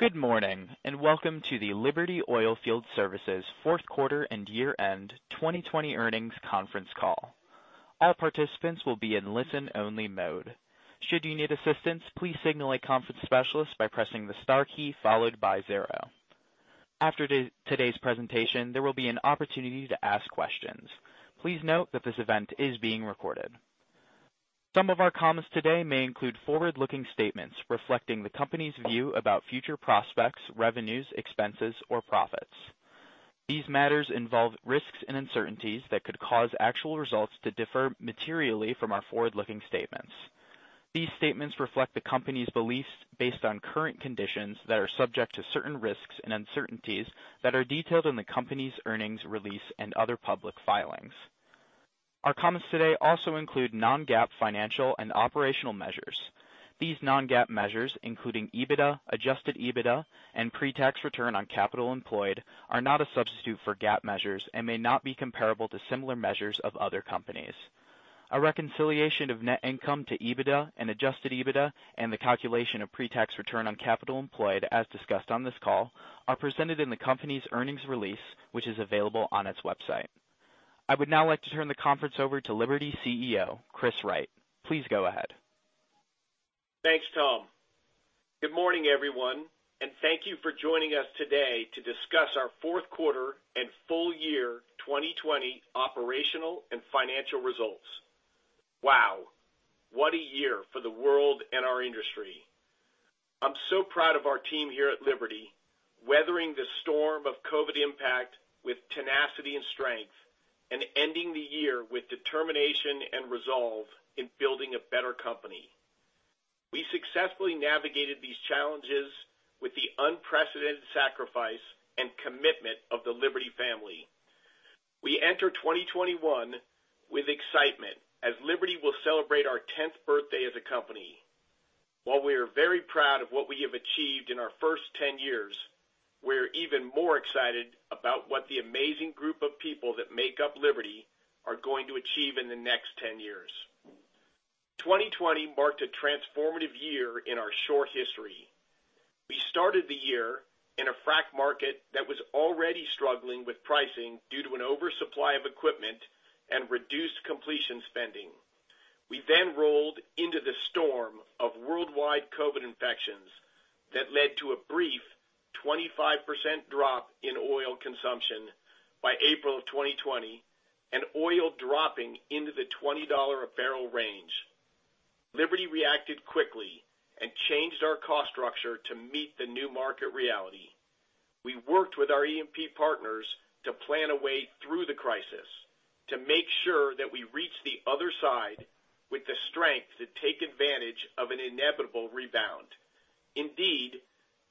Good morning, and welcome to the Liberty Oilfield Services fourth quarter and year-end 2020 earnings conference call. All participants will be in listen-only mode. Should you need assistance, please signal a conference specialist by pressing the star key followed by zero. After today's presentation, there will be an opportunity to ask questions. Please note that this event is being recorded. Some of our comments today may include forward-looking statements reflecting the company's view about future prospects, revenues, expenses, or profits. These matters involve risks and uncertainties that could cause actual results to differ materially from our forward-looking statements. These statements reflect the company's beliefs based on current conditions that are subject to certain risks and uncertainties that are detailed in the company's earnings release and other public filings. Our comments today also include non-GAAP financial and operational measures. These non-GAAP measures, including EBITDA, adjusted EBITDA, and Pre-Tax Return on Capital Employed, are not a substitute for GAAP measures and may not be comparable to similar measures of other companies. A reconciliation of net income to EBITDA and adjusted EBITDA and the calculation of Pre-Tax Return on Capital Employed, as discussed on this call, are presented in the company's earnings release, which is available on its website. I would now like to turn the conference over to Liberty CEO, Chris Wright. Please go ahead. Thanks, Tom. Good morning, everyone, and thank you for joining us today to discuss our fourth quarter and full year 2020 operational and financial results. Wow. What a year for the world and our industry. I'm so proud of our team here at Liberty, weathering the storm of COVID impact with tenacity and strength and ending the year with determination and resolve in building a better company. We successfully navigated these challenges with the unprecedented sacrifice and commitment of the Liberty family. We enter 2021 with excitement as Liberty will celebrate our 10th birthday as a company. While we are very proud of what we have achieved in our first 10 years, we're even more excited about what the amazing group of people that make up Liberty are going to achieve in the next 10 years. 2020 marked a transformative year in our short history. We started the year in a frac market that was already struggling with pricing due to an oversupply of equipment and reduced completion spending. We rolled into the storm of worldwide COVID infections that led to a brief 25% drop in oil consumption by April of 2020 and oil dropping into the $20 a barrel range. Liberty reacted quickly and changed our cost structure to meet the new market reality. We worked with our E&P partners to plan a way through the crisis to make sure that we reach the other side with the strength to take advantage of an inevitable rebound.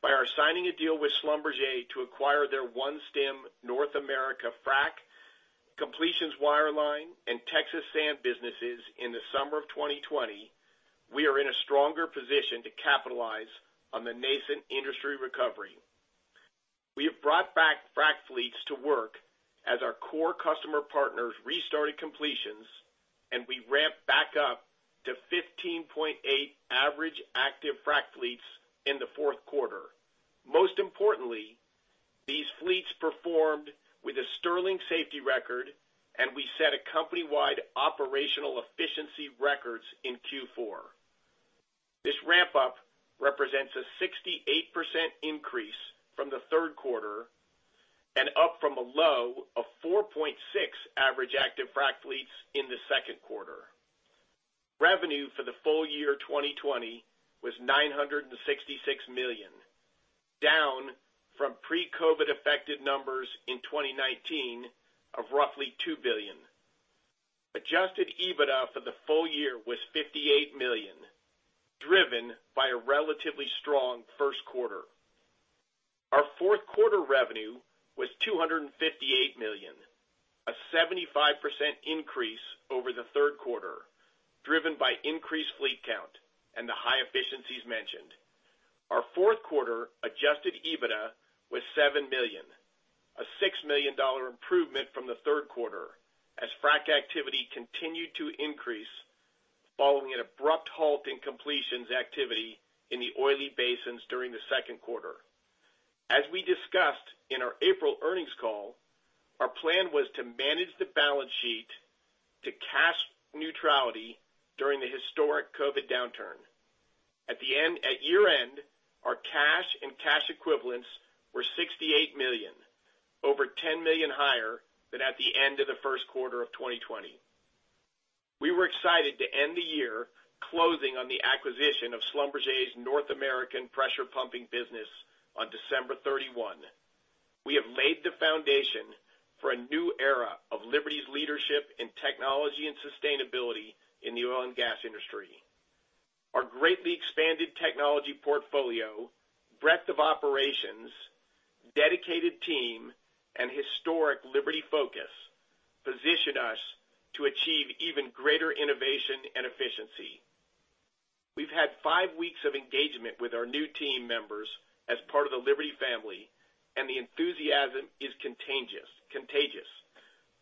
By our signing a deal with Schlumberger to acquire their OneStim North America frac completions wireline and Texas sand businesses in the summer of 2020, we are in a stronger position to capitalize on the nascent industry recovery. We have brought back frac fleets to work as our core customer partners restarted completions, and we ramped back up to 15.8 average active frac fleets in the fourth quarter. Most importantly, these fleets performed with a sterling safety record, and we set a company-wide operational efficiency records in Q4. This ramp-up represents a 68% increase from the third quarter and up from a low of 4.6 average active frac fleets in the second quarter. Revenue for the full year 2020 was $966 million, down from pre-COVID affected numbers in 2019 of roughly $2 billion. adjusted EBITDA for the full year was $58 million, driven by a relatively strong first quarter. Our fourth quarter revenue was $258 million, a 75% increase over the third quarter, driven by increased fleet count and the high efficiencies mentioned. Our fourth quarter adjusted EBITDA was $7 million, a $6 million improvement from the third quarter as frac activity continued to increase following an abrupt halt in completions activity in the oily basins during the second quarter. As we discussed in our April earnings call, our plan was to manage the balance sheet to cash neutrality during the historic COVID downturn. At year-end, our cash and cash equivalents were $68 million, over $10 million higher than at the end of the first quarter of 2020. We were excited to end the year closing on the acquisition of Schlumberger's North American pressure pumping business on December 31. We have laid the foundation for a new era of Liberty's leadership in technology and sustainability in the oil and gas industry. Our greatly expanded technology portfolio, breadth of operations, dedicated team, and historic Liberty focus position us to achieve even greater innovation and efficiency. We've had five weeks of engagement with our new team members as part of the Liberty family, and the enthusiasm is contagious.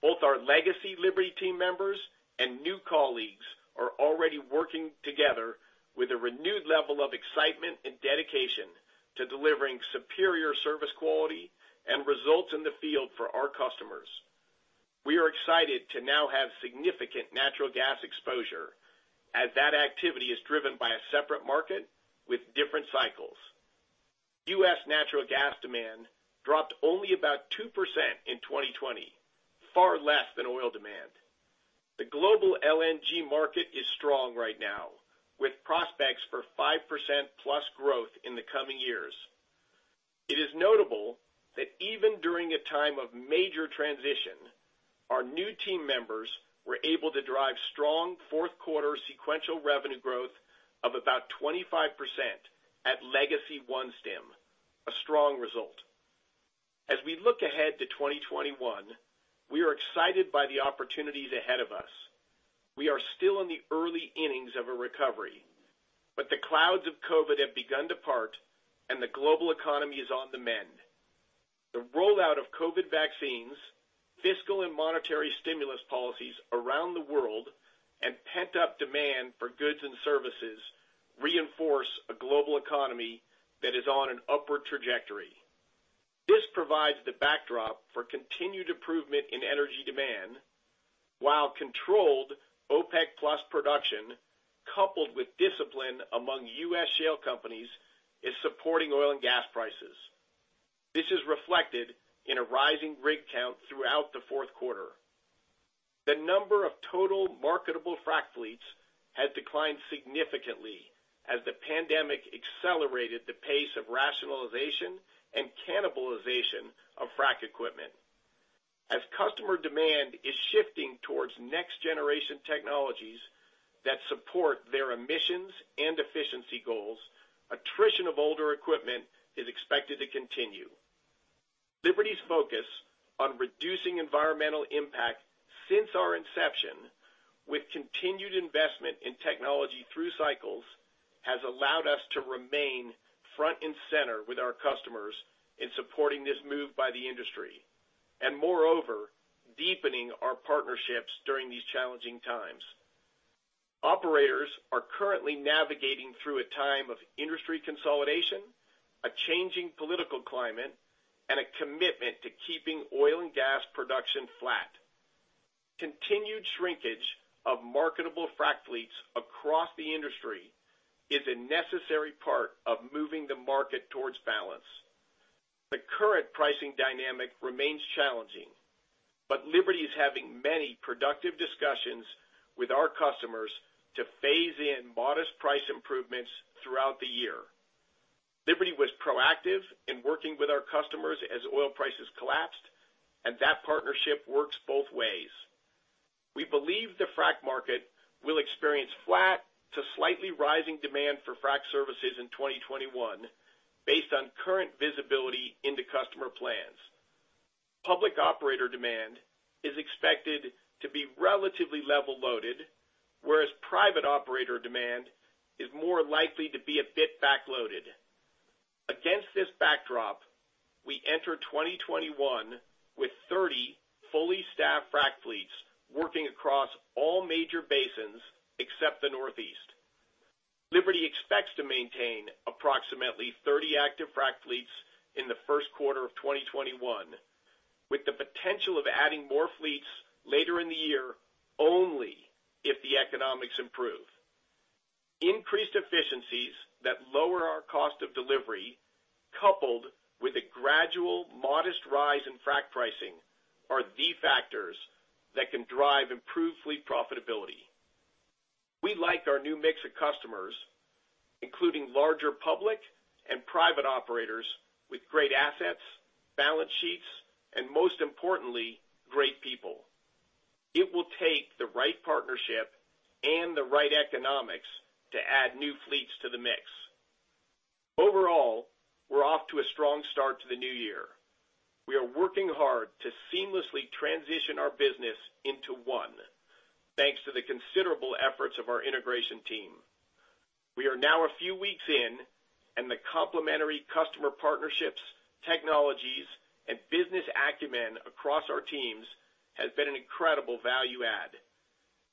Both our legacy Liberty team members and new colleagues are already working together with a renewed level of excitement and dedication to delivering superior service quality and results in the field for our customers. We are excited to now have significant natural gas exposure as that activity is driven by a separate market with different cycles. U.S. natural gas demand dropped only about 2% in 2020, far less than oil demand. The global LNG market is strong right now, with prospects for 5%+ growth in the coming years. It is notable that even during a time of major transition, our new team members were able to drive strong fourth quarter sequential revenue growth of about 25% at legacy OneStim, a strong result. As we look ahead to 2021, we are excited by the opportunities ahead of us. We are still in the early innings of a recovery, but the clouds of COVID have begun to part and the global economy is on the mend. The rollout of COVID vaccines, fiscal and monetary stimulus policies around the world, and pent-up demand for goods and services reinforce a global economy that is on an upward trajectory. This provides the backdrop for continued improvement in energy demand, while controlled OPEC+ production, coupled with discipline among U.S. shale companies, is supporting oil and gas prices. This is reflected in a rising rig count throughout the fourth quarter. The number of total marketable frac fleets has declined significantly as the pandemic accelerated the pace of rationalization and cannibalization of frac equipment. As customer demand is shifting towards next generation technologies that support their emissions and efficiency goals, attrition of older equipment is expected to continue. Liberty's focus on reducing environmental impact since our inception with continued investment in technology through cycles, has allowed us to remain front and center with our customers in supporting this move by the industry, and moreover, deepening our partnerships during these challenging times. Operators are currently navigating through a time of industry consolidation, a changing political climate, and a commitment to keeping oil and gas production flat. Continued shrinkage of marketable frac fleets across the industry is a necessary part of moving the market towards balance. The current pricing dynamic remains challenging. Liberty is having many productive discussions with our customers to phase in modest price improvements throughout the year. Liberty was proactive in working with our customers as oil prices collapsed. That partnership works both ways. We believe the frac market will experience flat to slightly rising demand for frac services in 2021 based on current visibility into customer plans. Public operator demand is expected to be relatively level loaded, whereas private operator demand is more likely to be a bit backloaded. Against this backdrop, we enter 2021 with 30 fully staffed frac fleets working across all major basins except the Northeast. Liberty expects to maintain approximately 30 active frac fleets in the first quarter of 2021, with the potential of adding more fleets later in the year only if the economics improve. Increased efficiencies that lower our cost of delivery, coupled with a gradual modest rise in frac pricing, are the factors that can drive improved fleet profitability. We like our new mix of customers, including larger public and private operators with great assets, balance sheets, and most importantly, great people. It will take the right partnership and the right economics to add new fleets to the mix. Overall, we're off to a strong start to the new year. We are working hard to seamlessly transition our business into one thanks to the considerable efforts of our integration team. We are now a few weeks in, and the complementary customer partnerships, technologies, and business acumen across our teams has been an incredible value add.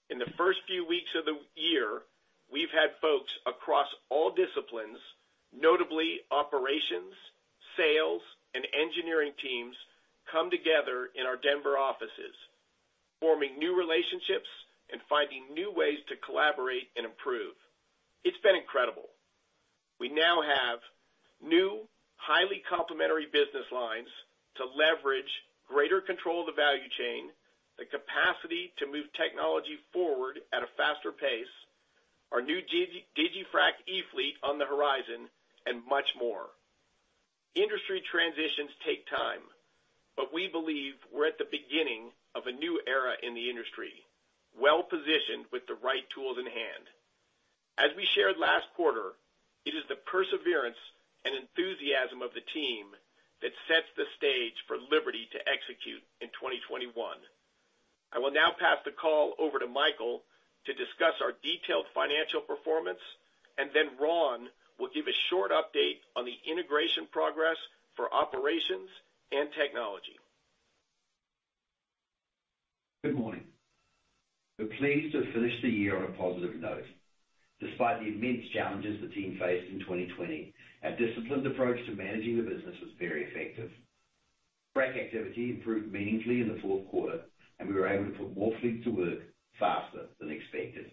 In the first few weeks of the year, we've had folks across all disciplines, notably operations, sales, and engineering teams, come together in our Denver offices, forming new relationships and finding new ways to collaborate and improve. It's been incredible. We now have new, highly complementary business lines to leverage greater control of the value chain, the capacity to move technology forward at a faster pace, our new digiFrac E-fleet on the horizon, and much more. Industry transitions take time, but we believe we're at the beginning of a new era in the industry, well-positioned with the right tools in hand. As we shared last quarter, it is the perseverance and enthusiasm of the team that sets the stage for Liberty to execute in 2021. I will now pass the call over to Michael Stock to discuss our detailed financial performance, and then Ron Gusek will give a short update on the integration progress for operations and technology. Good morning. We're pleased to have finished the year on a positive note. Despite the immense challenges the team faced in 2020, our disciplined approach to managing the business was very effective. Frac activity improved meaningfully in the fourth quarter, and we were able to put more fleets to work faster than expected.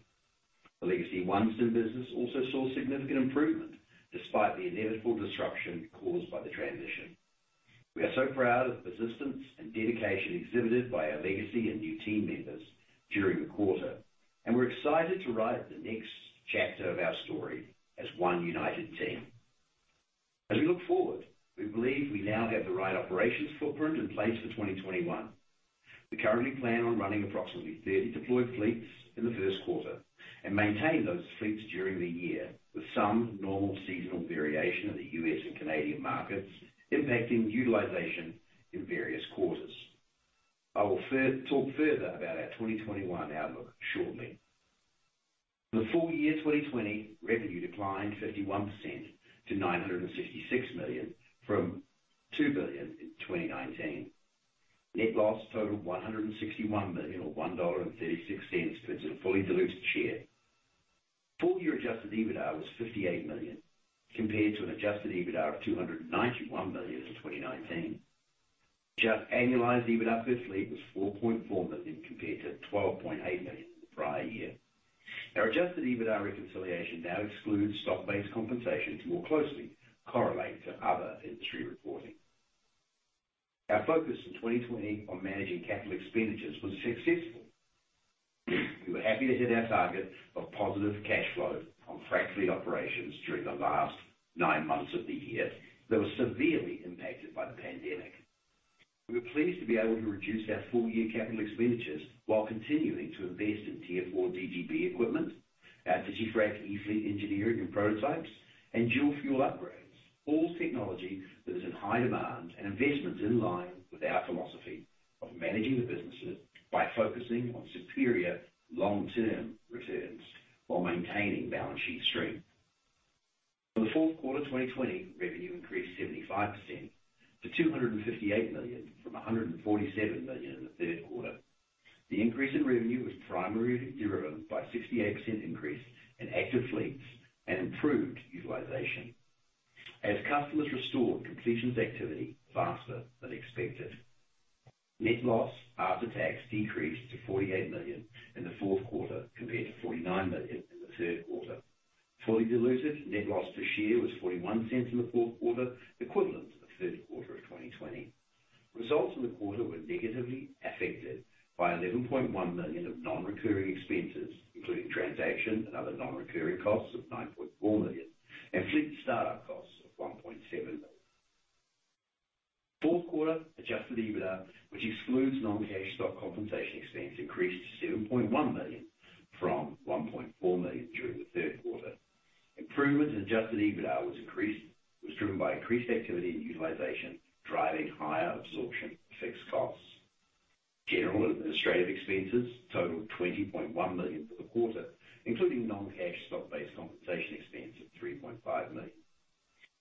The legacy OneStim business also saw significant improvement despite the inevitable disruption caused by the transition. We are so proud of the persistence and dedication exhibited by our legacy and new team members during the quarter, and we're excited to write the next chapter of our story as one united team. As we look forward, we believe we now have the right operations footprint in place for 2021. We currently plan on running approximately 30 deployed fleets in the first quarter and maintain those fleets during the year with some normal seasonal variation in the U.S. and Canadian markets impacting utilization in various quarters. I will talk further about our 2021 outlook shortly. For the full year 2020, revenue declined 51% to $966 million from $2 billion in 2019. Net loss totaled $161 million or $1.36 to its fully diluted share. Full-year adjusted EBITDA was $58 million, compared to an adjusted EBITDA of $291 million in 2019. Annualized EBITDA per fleet was $4.4 million, compared to $12.8 million in the prior year. Our adjusted EBITDA reconciliation now excludes stock-based compensation to more closely correlate to other industry reporting. Our focus in 2020 on managing capital expenditures was successful. We were happy to hit our target of positive cash flow from frac fleet operations during the last nine months of the year that were severely impacted by the pandemic. We were pleased to be able to reduce our full-year capital expenditures while continuing to invest in Tier 4 DGB equipment, our digiFrac E-fleet engineering and prototypes, and dual-fuel upgrades. All technology that is in high demand and investments in line with our philosophy of managing the businesses by focusing on superior long-term returns while maintaining balance sheet strength. For the fourth quarter 2020, revenue increased 75% to $258 million from $147 million in the third quarter. The increase in revenue was primarily driven by a 68% increase in active fleets and improved utilization as customers restored completions activity faster than expected. Net loss after tax decreased to $48 million in the fourth quarter compared to $49 million in the third quarter. Fully diluted net loss per share was $0.41 in the fourth quarter, equivalent to the third quarter of 2020. Results in the quarter were negatively affected by $11.1 million of non-recurring expenses, including transaction and other non-recurring costs of $9.4 million and fleet startup costs of $1.7 million. Fourth quarter adjusted EBITDA, which excludes non-cash stock compensation expense, increased to $7.1 million from $1.4 million during the third quarter. Improvements in adjusted EBITDA was driven by increased activity and utilization, driving higher absorption of fixed costs. General administrative expenses totaled $20.1 million for the quarter, including non-cash stock-based compensation expense of $3.5 million.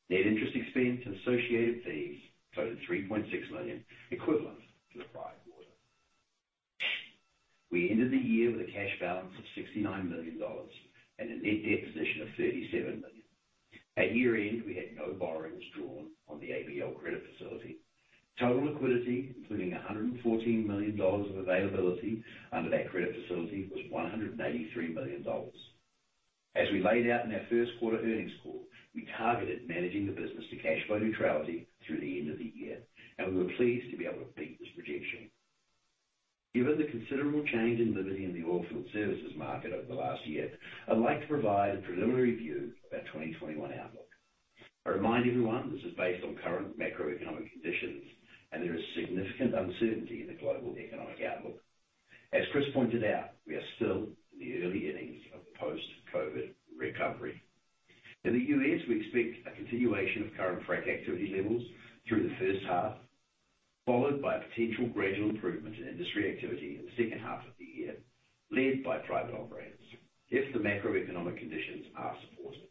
Net interest expense and associated fees totaled $3.6 million, equivalent to the prior quarter. We ended the year with a cash balance of $69 million and a net debt position of $37 million. At year-end, we had no borrowings drawn on the ABL credit facility. Total liquidity, including $114 million of availability under that credit facility, was $183 million. As we laid out in our first quarter earnings call, we targeted managing the business to cash flow neutrality through the end of the year, we were pleased to be able to beat this projection. Given the considerable change in Liberty in the oilfield services market over the last year, I'd like to provide a preliminary view of our 2021 outlook. I remind everyone this is based on current macroeconomic conditions, there is significant uncertainty in the global economic outlook. As Chris pointed out, we are still in the early innings of post-COVID recovery. In the U.S., we expect a continuation of current frac activity levels through the first half, followed by potential gradual improvement in industry activity in the second half of the year, led by private operators, if the macroeconomic conditions are supportive.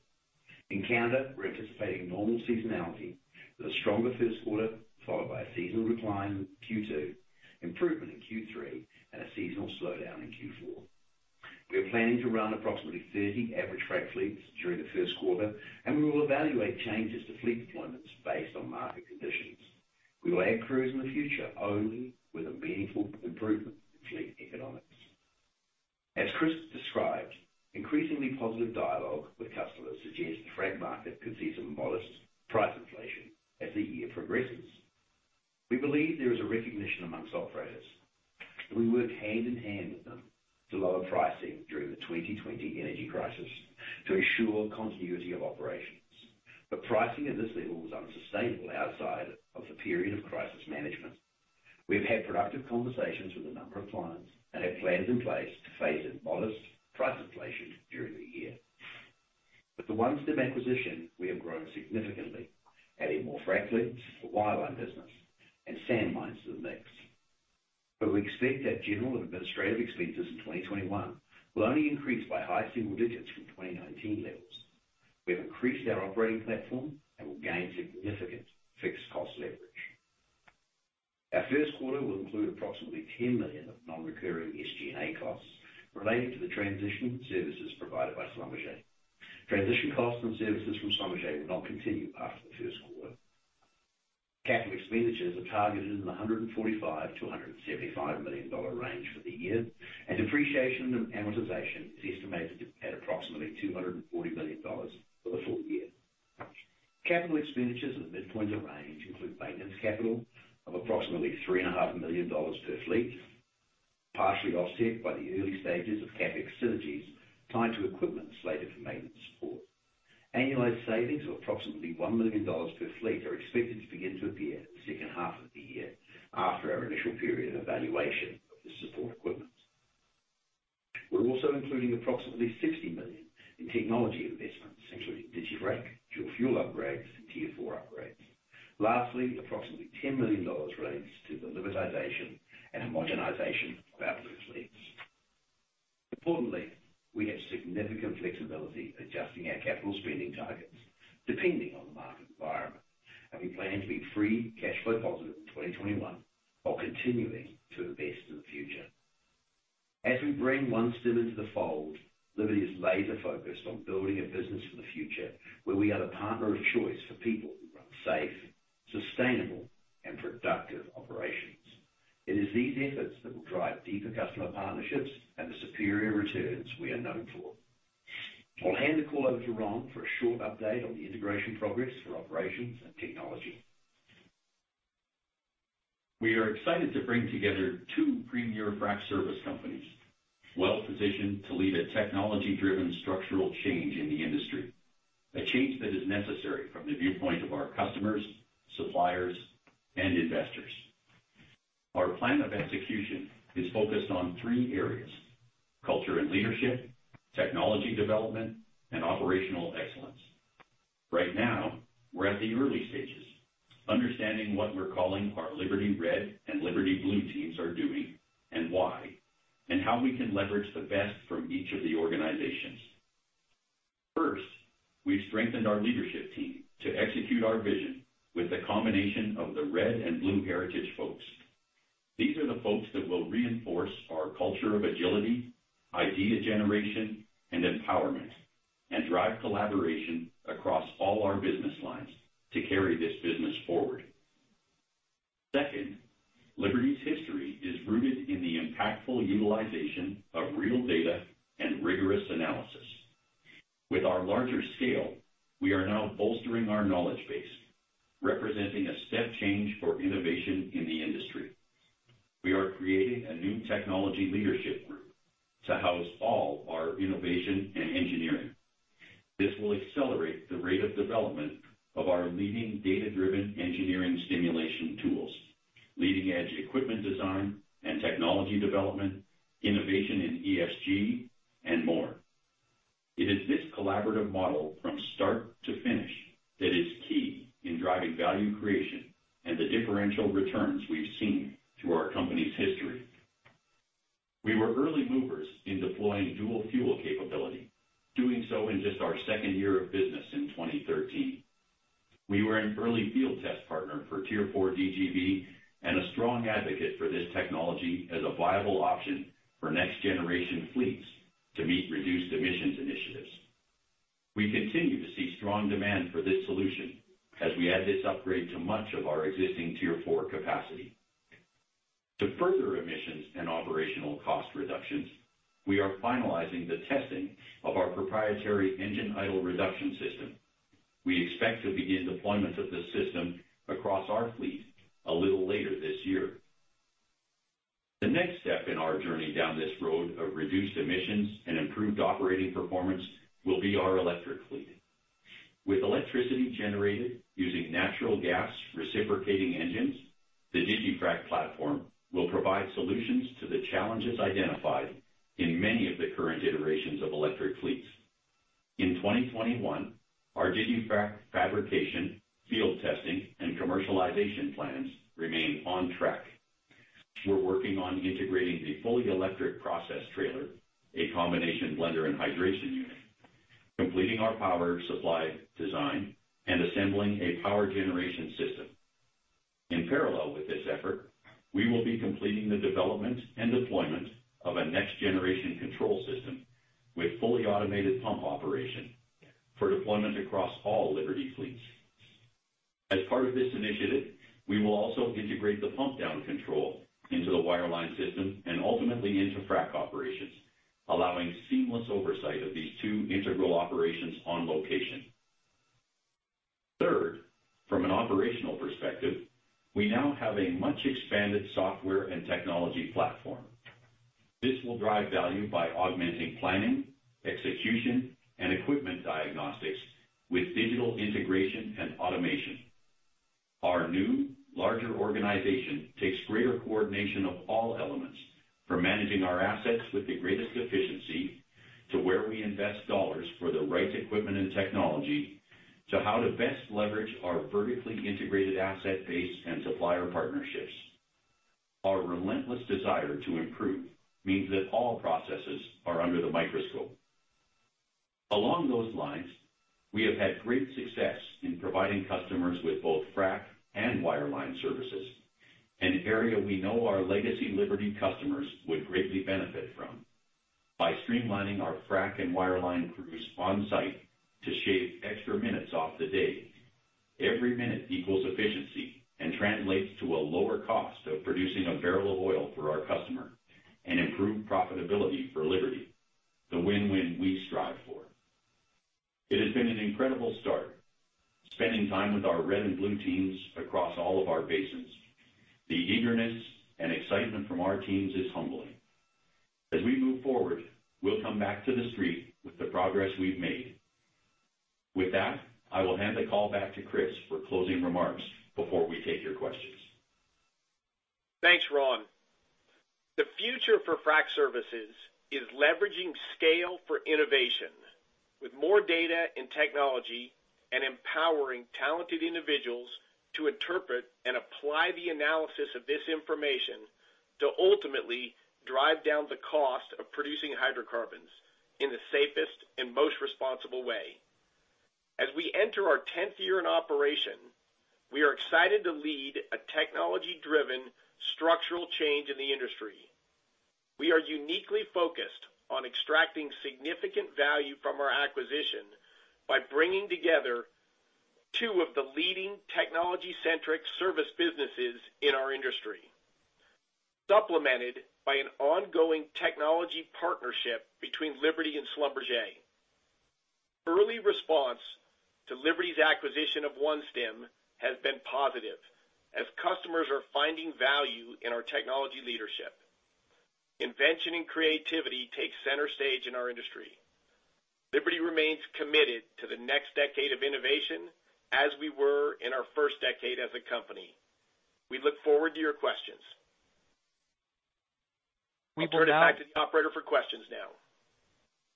In Canada, we're anticipating normal seasonality with a stronger first quarter, followed by a seasonal decline in Q2, improvement in Q3, and a seasonal slowdown in Q4. We are planning to run approximately 30 average frac fleets during the first quarter, and we will evaluate changes to fleet deployments based on market conditions. We will add crews in the future only with a meaningful improvement in fleet economics. As Chris described, increasingly positive dialogue with customers suggests the frac market could see some modest price inflation as the year progresses. We believe there is a recognition amongst operators, and we work hand in hand with them to lower pricing during the 2020 energy crisis to ensure continuity of operations. Pricing at this level is unsustainable outside of the period of crisis management. We've had productive conversations with a number of clients and have plans in place to phase in modest price inflation during the year. With the OneStim acquisition, we have grown significantly, adding more frac fleets, the wireline business, and sand mines to the mix. We expect that general and administrative expenses in 2021 will only increase by high single digits from 2019 levels. We have increased our operating platform and will gain significant fixed cost leverage. Our first quarter will include approximately $10 million of non-recurring SG&A costs relating to the transition services provided by Schlumberger. Transition costs and services from Schlumberger will not continue after the first quarter. Capital expenditures are targeted in the $145 million-$175 million range for the year, and depreciation and amortization is estimated at approximately $240 million for the full year. Capital expenditures in the midpoint of range include maintenance capital of approximately $3.5 million per fleet, partially offset by the early stages of CapEx synergies tied to equipment slated for maintenance support. Annualized savings of approximately $1 million per fleet are expected to begin to appear in the second half of the year after our initial period of evaluation of the support equipment. We're also including approximately $60 million in technology investments, including digiFrac, dual-fuel upgrades, and Tier 4 upgrades. Lastly, approximately $10 million relates to the Libertization and homogenization of our Blue fleets. Importantly, we have significant flexibility adjusting our capital spending targets depending on the market environment, and we plan to be free cash flow positive in 2021 while continuing to invest in the future. As we bring OneStim into the fold, Liberty is laser focused on building a business for the future where we are the partner of choice for people who run safe, sustainable, and productive operations. It is these efforts that will drive deeper customer partnerships and the superior returns we are known for. I'll hand the call over to Ron Gusek for a short update on the integration progress for operations and technology. We are excited to bring together two premier frac service companies, well-positioned to lead a technology-driven structural change in the industry. A change that is necessary from the viewpoint of our customers, suppliers, and investors. Our plan of execution is focused on three areas. Culture and leadership, technology development, and operational excellence. Right now, we're at the early stages, understanding what we're calling our Liberty Red and Liberty Blue teams are doing and why, and how we can leverage the best from each of the organizations. First, we've strengthened our leadership team to execute our vision with the combination of the Red and Blue heritage folks. These are the folks that will reinforce our culture of agility, idea generation, and empowerment, and drive collaboration across all our business lines to carry this business forward. Second, Liberty's history is rooted in the impactful utilization of real data and rigorous analysis. With our larger scale, we are now bolstering our knowledge base, representing a step change for innovation in the industry. We are creating a new technology leadership group to house all our innovation and engineering. This will accelerate the rate of development of our leading data-driven engineering simulation tools, leading-edge equipment design and technology development, innovation in ESG, and more. It is this collaborative model from start to finish that is key in driving value creation and the differential returns we've seen through our company's history. We were early movers in deploying dual-fuel capability, doing so in just our second year of business in 2013. We were an early field test partner for Tier 4 DGB and a strong advocate for this technology as a viable option for next-generation fleets to meet reduced emissions initiatives. We continue to see strong demand for this solution as we add this upgrade to much of our existing Tier 4 capacity. To further emissions and operational cost reductions, we are finalizing the testing of our proprietary engine idle reduction system. We expect to begin deployment of this system across our fleet a little later this year. The next step in our journey down this road of reduced emissions and improved operating performance will be our electric fleet. With electricity generated using natural gas reciprocating engines, the digiFrac platform will provide solutions to the challenges identified in many of the current iterations of electric fleets. In 2021, our digiFrac fabrication, field testing, and commercialization plans remain on track. We're working on integrating a fully electric process trailer, a combination blender and hydration unit, completing our power supply design and assembling a power generation system. In parallel with this effort, we will be completing the development and deployment of a next generation control system with fully automated pump operation for deployment across all Liberty fleets. As part of this initiative, we will also integrate the pump down control into the wireline system and ultimately into frac operations, allowing seamless oversight of these two integral operations on location. Third, from an operational perspective, we now have a much expanded software and technology platform. This will drive value by augmenting planning, execution, and equipment diagnostics with digital integration and automation. Our new larger organization takes greater coordination of all elements for managing our assets with the greatest efficiency, to where we invest dollars for the right equipment and technology, to how to best leverage our vertically integrated asset base and supplier partnerships. Our relentless desire to improve means that all processes are under the microscope. Along those lines, we have had great success in providing customers with both frac and wireline services, an area we know our legacy Liberty customers would greatly benefit from by streamlining our frac and wireline crews on site to shave extra minutes off the day. Every minute equals efficiency and translates to a lower cost of producing a barrel of oil for our customer and improved profitability for Liberty, the win-win we strive for. It has been an incredible start spending time with our red and blue teams across all of our basins. The eagerness and excitement from our teams is humbling. As we move forward, we'll come back to the street with the progress we've made. With that, I will hand the call back to Chris Wright for closing remarks before we take your questions. Thanks, Ron. The future for frac services is leveraging scale for innovation with more data and technology, and empowering talented individuals to interpret and apply the analysis of this information to ultimately drive down the cost of producing hydrocarbons in the safest and most responsible way. As we enter our 10th year in operation, we are excited to lead a technology driven structural change in the industry. We are uniquely focused on extracting significant value from our acquisition by bringing together two of the leading technology centric service businesses in our industry, supplemented by an ongoing technology partnership between Liberty and Schlumberger. Early response to Liberty's acquisition of OneStim has been positive as customers are finding value in our technology leadership. Invention and creativity takes center stage in our industry. Liberty remains committed to the next decade of innovation as we were in our first decade as a company. We look forward to your questions. We will now- I'll turn it back to the operator for questions now.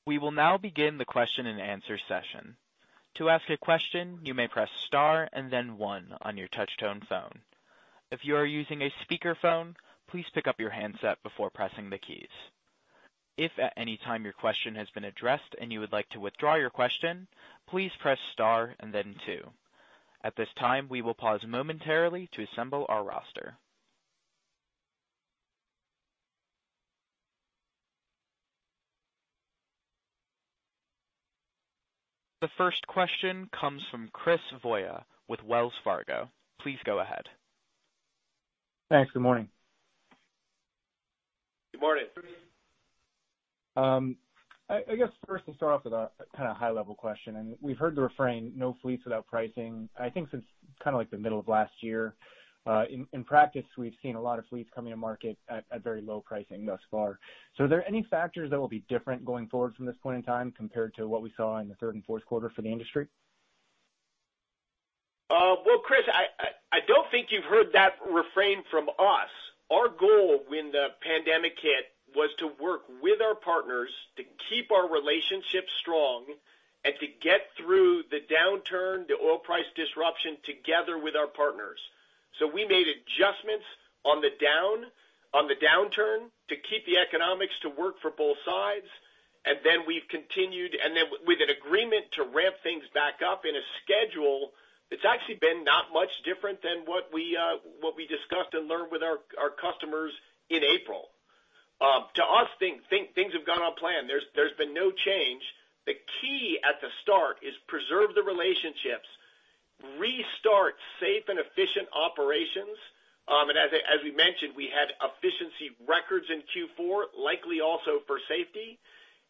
We will now begin the question and answer session. To ask a question, you may press star and then one on your touch-tone phone. If you are using a speakerphone, please pick up your handset before pressing the keys. If at any time your question has been addressed and you would like to withdraw your question, please press star and then two. At this time, we will pause momentarily to assemble our roster. The first question comes from Chris Vogel with Wells Fargo. Please go ahead. Thanks. Good morning. Good morning. I guess first to start off with a kind of high level question, we've heard the refrain, no fleets without pricing, I think since like the middle of last year. In practice, we've seen a lot of fleets coming to market at very low pricing thus far. Are there any factors that will be different going forward from this point in time compared to what we saw in the third and fourth quarter for the industry? Well, Chris, I don't think you've heard that refrain from us. Our goal when the pandemic hit was to work with our partners to keep our relationships strong and to get through the downturn, the oil price disruption, together with our partners. We made adjustments on the downturn to keep the economics to work for both sides. With an agreement to ramp things back up in a schedule that's actually been not much different than what we discussed and learned with our customers in April. To us, things have gone on plan. There's been no change. The key at the start is preserve the relationships, restart safe and efficient operations. As we mentioned, we had efficiency records in Q4, likely also for safety.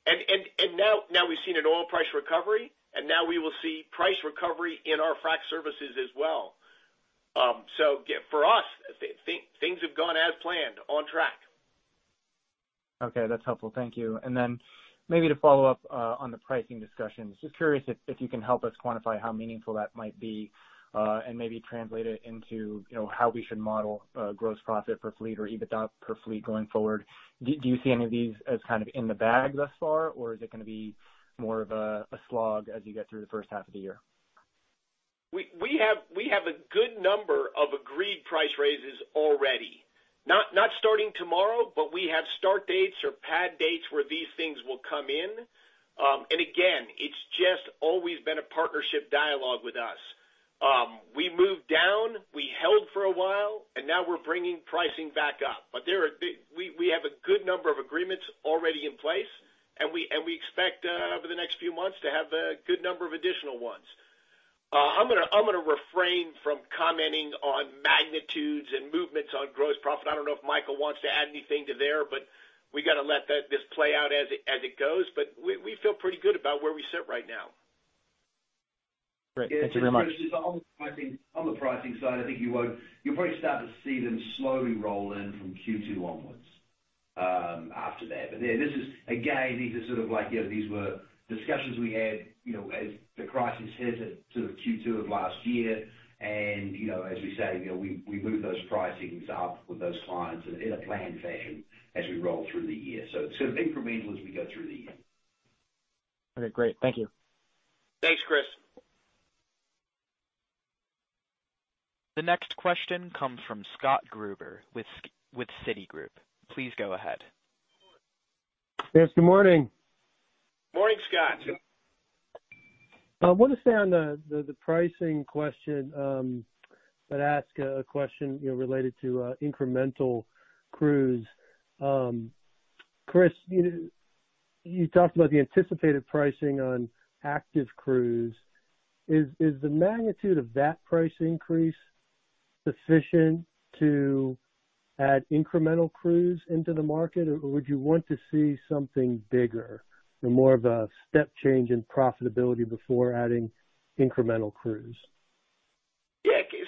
Now we've seen an oil price recovery, and now we will see price recovery in our frac services as well. For us, things have gone as planned, on track. Okay, that's helpful. Thank you. Maybe to follow up on the pricing discussions, just curious if you can help us quantify how meaningful that might be and maybe translate it into how we should model gross profit per fleet or EBITDA per fleet going forward. Do you see any of these as kind of in the bag thus far? Is it going to be more of a slog as you get through the first half of the year? We have a good number of agreed price raises already. We have start dates or pad dates where these things will come in. Again, it's just always been a partnership dialogue with us. We moved down, we held for a while, and now we're bringing pricing back up. We have a good number of agreements already in place, and we expect over the next few months to have a good number of additional ones. I'm going to refrain from commenting on magnitudes and movements on gross profit. I don't know if Michael Stock wants to add anything to there, but we got to let this play out as it goes. We feel pretty good about where we sit right now. Great. Thank you very much. On the pricing side, I think you'll probably start to see them slowly roll in from Q2 onwards. After that. Yeah, these were discussions we had as the crisis hit sort of Q2 of last year. As we say, we moved those pricings up with those clients in a planned fashion as we roll through the year. It's sort of incremental as we go through the year. Okay, great. Thank you. Thanks, Chris. The next question comes from Scott Gruber with Citigroup. Please go ahead. Yes, good morning. Morning, Scott. I want to stay on the pricing question, but ask a question related to incremental crews. Chris, you talked about the anticipated pricing on active crews. Is the magnitude of that price increase sufficient to add incremental crews into the market? Would you want to see something bigger or more of a step change in profitability before adding incremental crews?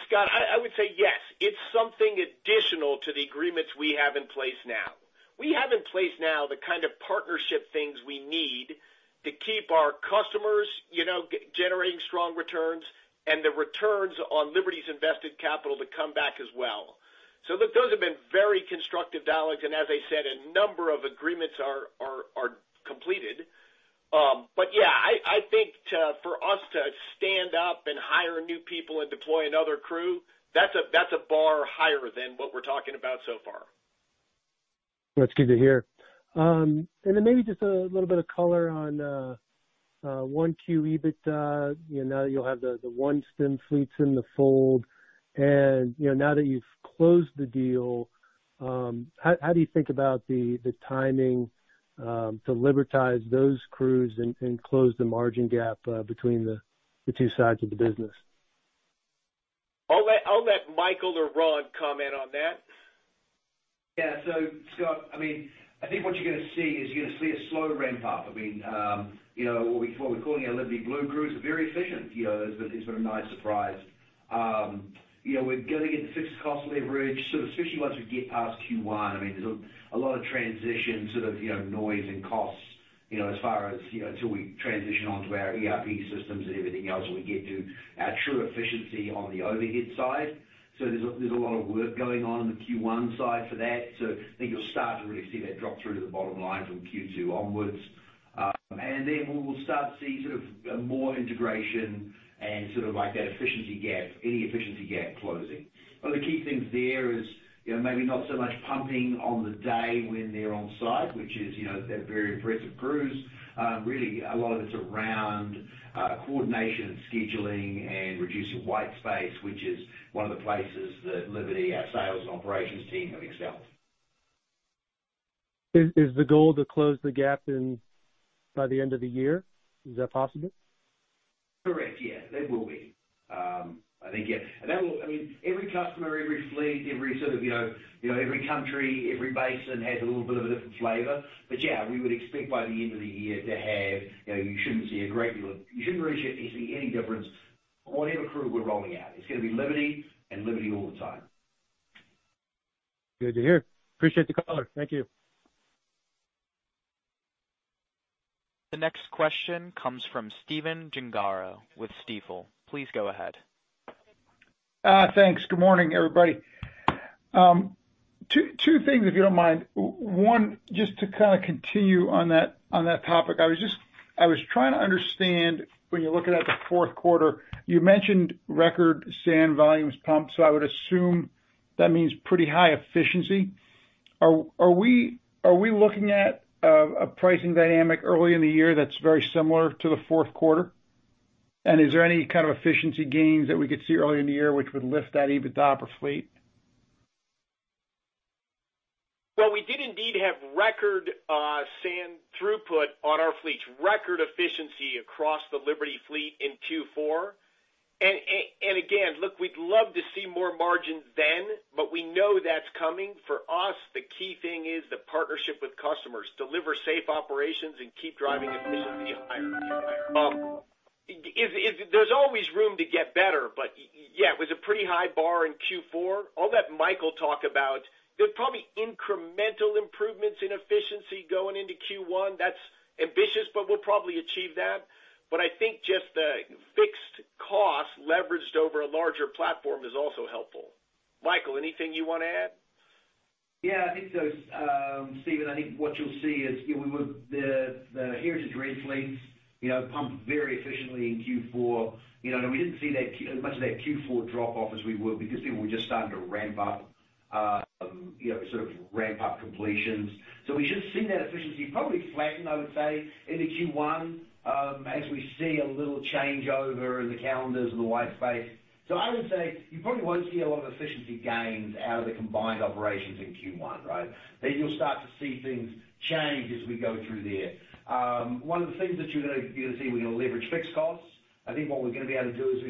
Scott, I would say yes. It's something additional to the agreements we have in place now. We have in place now the kind of partnership things we need to keep our customers generating strong returns and the returns on Liberty's invested capital to come back as well. Look, those have been very constructive dialogues. As I said, a number of agreements are completed. I think for us to stand up and hire new people and deploy another crew, that's a bar higher than what we're talking about so far. That's good to hear. Maybe just a little bit of color on Q1 EBITDA, now that you'll have the OneStim fleets in the fold. Now that you've closed the deal, how do you think about the timing to Libertize those crews and close the margin gap between the two sides of the business? I'll let Michael Stock or Ron Gusek comment on that. Yeah. Scott, I think what you're going to see is a slow ramp-up. What we're calling our Liberty Blue Crews are very efficient. That is a nice surprise. We're going to get fixed cost leverage, sort of especially once we get past Q1. There's a lot of transition, sort of noise and costs, as far as until we transition onto our ERP systems and everything else, and we get to our true efficiency on the overhead side. There's a lot of work going on in the Q1 side for that. I think you'll start to really see that drop through to the bottom line from Q2 onwards. Then we'll start to see sort of more integration and sort of like that efficiency gap, any efficiency gap closing. One of the key things there is maybe not so much pumping on the day when they're on site, which is they're very impressive crews. Really a lot of it's around coordination and scheduling and reducing white space, which is one of the places that Liberty, our sales and operations team have excelled. Is the goal to close the gap by the end of the year? Is that possible? Correct. Yeah. That will be. I think yeah. Every customer, every fleet, every country, every basin has a little bit of a different flavor. Yeah, we would expect by the end of the year, you shouldn't really see any difference on whatever crew we're rolling out. It's going to be Liberty and Liberty all the time. Good to hear. Appreciate the color. Thank you. The next question comes from Stephen Gengaro with Stifel. Please go ahead. Thanks. Good morning, everybody. Two things, if you don't mind. One, just to kind of continue on that topic. I was trying to understand when you're looking at the fourth quarter, you mentioned record sand volumes pumped. I would assume that means pretty high efficiency. Are we looking at a pricing dynamic early in the year that's very similar to the fourth quarter? Is there any kind of efficiency gains that we could see early in the year, which would lift that EBITDA per fleet? Well, we did indeed have record sand throughput on our fleets, record efficiency across the Liberty fleet in Q4. Again, look, we'd love to see more margins then, but we know that's coming. For us, the key thing is the partnership with customers. Deliver safe operations and keep driving efficiency higher. There's always room to get better. Yeah, it was a pretty high bar in Q4. I'll let Michael talk about, there's probably incremental improvements in efficiency going into Q1. That's ambitious, but we'll probably achieve that. I think just the fixed cost leveraged over a larger platform is also helpful. Michael, anything you want to add? Yeah, I think so, Stephen. I think what you'll see is the heritage Drill Fleets pumped very efficiently in Q4. We didn't see much of that Q4 drop-off as we would because people were just starting to sort of ramp up completions. I would say that efficiency probably flatten, I would say, into Q1, as we see a little changeover in the calendars and the white space. I would say you probably won't see a lot of efficiency gains out of the combined operations in Q1, right? You'll start to see things change as we go through there. One of the things that you're going to see, we're going to leverage fixed costs. I think what we're going to be able to do is,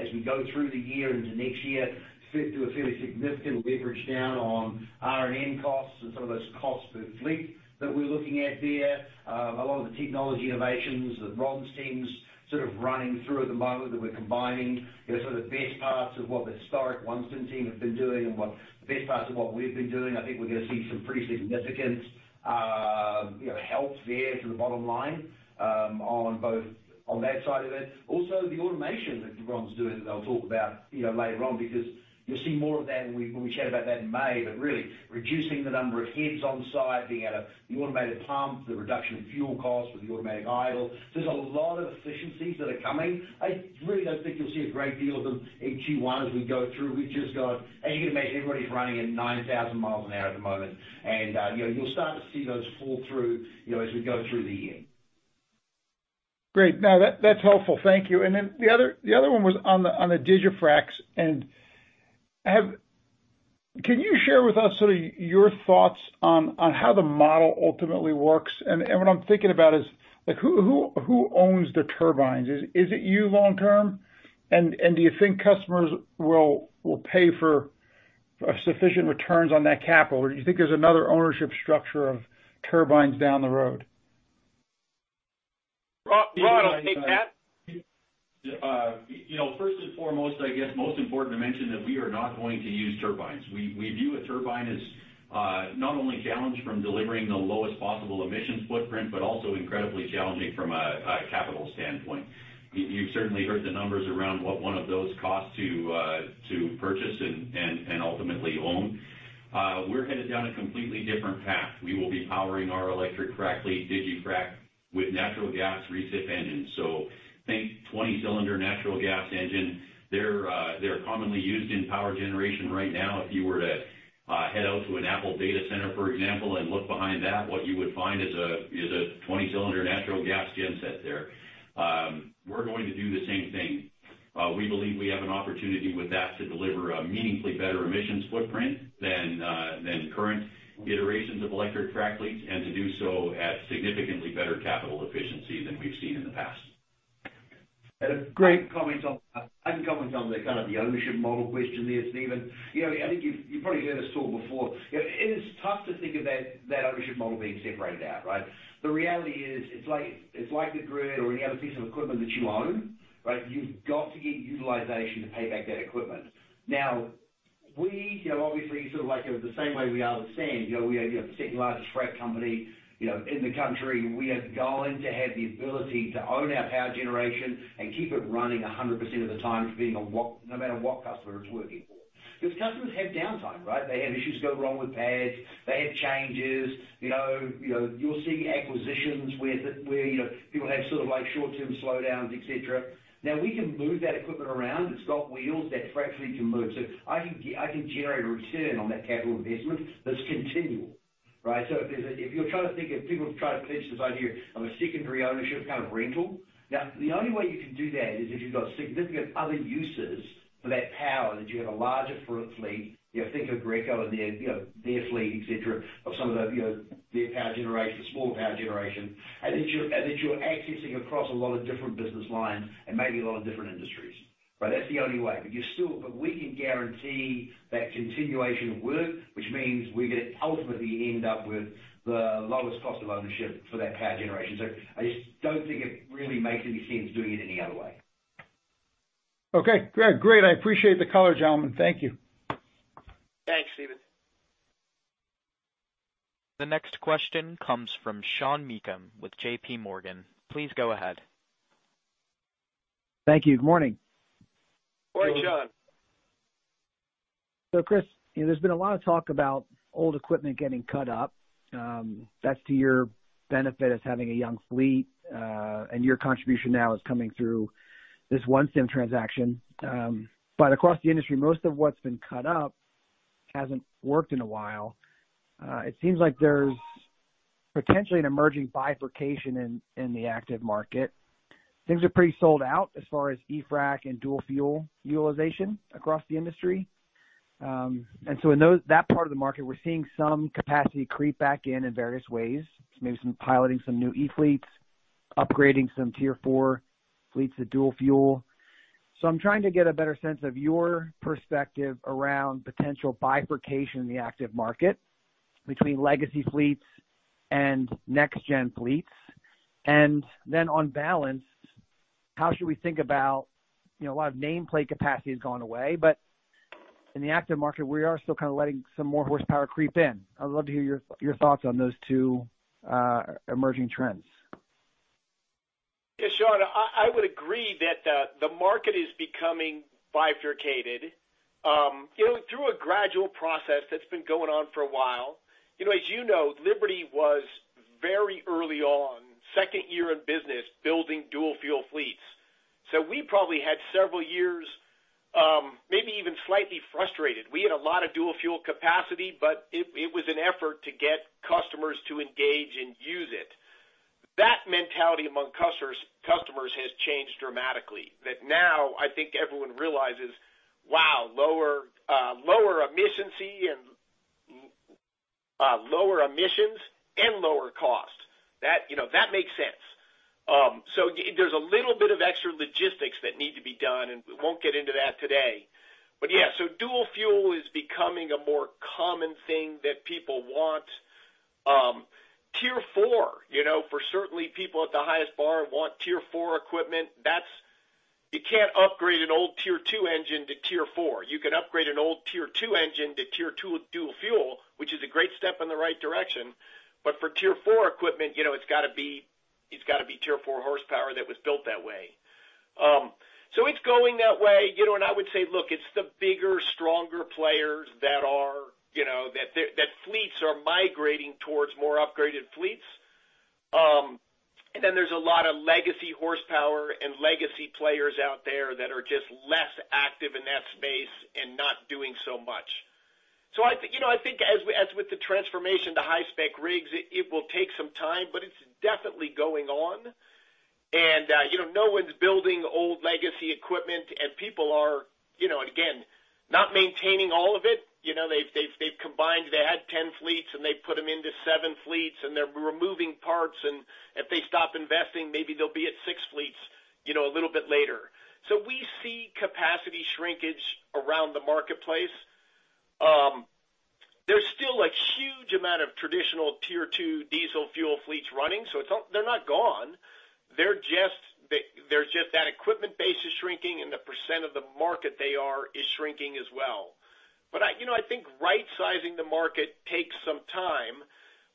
as we go through the year into next year, do a fairly significant leverage down on R&M costs and some of those costs per fleet that we're looking at there. A lot of the technology innovations that Ron's team's sort of running through at the moment, that we're combining sort of best parts of what the historic OneStim team have been doing and the best parts of what we've been doing. I think we're going to see some pretty significant help there for the bottom line on both, on that side of it. The automation that Ron's doing, that I'll talk about later on, because you'll see more of that. We chat about that in May, really reducing the number of heads on site, being at the automated pumps, the reduction in fuel costs with the automatic idle. There's a lot of efficiencies that are coming. I really don't think you'll see a great deal of them in Q1 as we go through. You can imagine everybody's running at 9,000 miles an hour at the moment. You'll start to see those fall through, as we go through the year. Great. No, that's helpful. Thank you. The other one was on the digiFrac. Can you share with us sort of your thoughts on how the model ultimately works? What I'm thinking about is, who owns the turbines? Is it you long term? Do you think customers will pay for sufficient returns on that capital? Do you think there's another ownership structure of turbines down the road? Ron Gusek will take that. First and foremost, I guess most important to mention that we are not going to use turbines. We view a turbine as not only a challenge from delivering the lowest possible emissions footprint, but also incredibly challenging from a capital standpoint. You've certainly heard the numbers around what one of those costs to purchase and ultimately own. We're headed down a completely different path. We will be powering our electric frac fleet, digiFrac, with natural gas recip engines. Think 20-cylinder natural gas engine. They're commonly used in power generation right now. If you were to head out to an Apple data center, for example, and look behind that, what you would find is a 20-cylinder natural gas genset there. We're going to do the same thing. We believe we have an opportunity with that to deliver a meaningfully better emissions footprint than current iterations of electric frac fleets, and to do so at significantly better capital efficiency than we've seen in the past. Great. I can comment on the kind of the ownership model question there, Stephen. I think you've probably heard us talk before. It is tough to think of that ownership model being separated out, right? The reality is, it's like the grid or any other piece of equipment that you own, right? You've got to get utilization to pay back that equipment. Now, we obviously sort of like the same way we are the same, we are the second largest frac company in the country. We are going to have the ability to own our power generation and keep it running 100% of the time no matter what customer it's working for. Because customers have downtime, right? They have issues go wrong with pads. They have changes. You'll see acquisitions where people have sort of like short-term slowdowns, et cetera. Now we can move that equipment around. It's got wheels. That frac fleet can move. I can generate a return on that capital investment that's continual. If people have tried to pitch this idea of a secondary ownership kind of rental, now the only way you can do that is if you've got significant other uses for that power, that you have a larger frac fleet. Think of Aggreko and their fleet, et cetera, of some of their power generation, small power generation. That you're accessing across a lot of different business lines and maybe a lot of different industries. That's the only way. We can guarantee that continuation of work, which means we're going to ultimately end up with the lowest cost of ownership for that power generation. I just don't think it really makes any sense doing it any other way. Okay. Great. I appreciate the color, gentlemen. Thank you. Thanks, Stephen. The next question comes from Sean Meakim with JPMorgan. Please go ahead. Thank you. Good morning. Morning, Sean. Chris, there's been a lot of talk about old equipment getting cut up. That's to your benefit as having a young fleet. Your contribution now is coming through this OneStim transaction. Across the industry, most of what's been cut up hasn't worked in a while. It seems like there's potentially an emerging bifurcation in the active market. Things are pretty sold out as far as e-frac and dual-fuel utilization across the industry. In that part of the market, we're seeing some capacity creep back in various ways. Maybe some piloting some new E-fleets, upgrading some Tier 4 fleets to dual-fuel. I'm trying to get a better sense of your perspective around potential bifurcation in the active market between legacy fleets and next gen fleets. On balance, how should we think about a lot of nameplate capacity has gone away, but in the active market, we are still kind of letting some more horsepower creep in. I would love to hear your thoughts on those two emerging trends. Yeah, Sean, I would agree that the market is becoming bifurcated through a gradual process that's been going on for a while. As you know, Liberty was very early on, second year in business, building dual-fuel fleets. We probably had several years maybe even slightly frustrated. We had a lot of dual-fuel capacity, it was an effort to get customers to engage and use it. That mentality among customers has changed dramatically. That now I think everyone realizes, wow, lower emissions and lower emissions and lower cost. That makes sense. There's a little bit of extra logistics that need to be done, and we won't get into that today. Yeah, dual-fuel is becoming a more common thing that people want. Tier 4, certainly people at the highest bar want Tier 4 equipment. That's. You can't upgrade an old Tier 2 engine to Tier 4. You can upgrade an old Tier 2 engine to Tier 2 dual-fuel, which is a great step in the right direction. For Tier 4 equipment, it's got to be Tier 4 horsepower that was built that way. It's going that way, and I would say, look, it's the bigger, stronger players that fleets are migrating towards more upgraded fleets. There's a lot of legacy horsepower and legacy players out there that are just less active in that space and not doing so much. I think as with the transformation to high-spec rigs, it will take some time, but it's definitely going on. No one's building old legacy equipment and people are, again, not maintaining all of it. They've combined, they had 10 fleets and they put them into seven fleets and they're removing parts. If they stop investing, maybe they'll be at six fleets a little bit later. We see capacity shrinkage around the marketplace. There's still a huge amount of traditional Tier 2 diesel fuel fleets running. They're not gone, there's just that equipment base is shrinking and the % of the market they are is shrinking as well. I think right-sizing the market takes some time,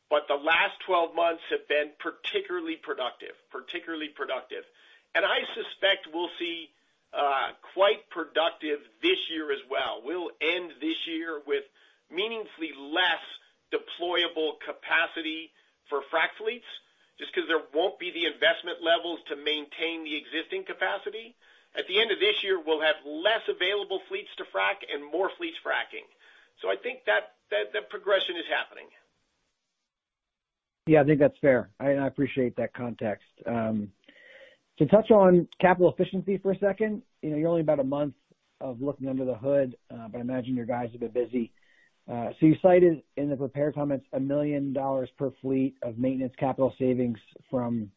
but the last 12 months have been particularly productive. I suspect we'll see quite productive this year as well. We'll end this year with meaningfully less deployable capacity for frac fleets, just because there won't be the investment levels to maintain the existing capacity. At the end of this year, we'll have less available fleets to frac and more fleets fracking. I think that progression is happening. I think that's fair. I appreciate that context. To touch on capital efficiency for a second, you're only about a month of looking under the hood, but I imagine your guys have been busy. You cited in the prepared comments, $1 million per fleet of maintenance capital savings from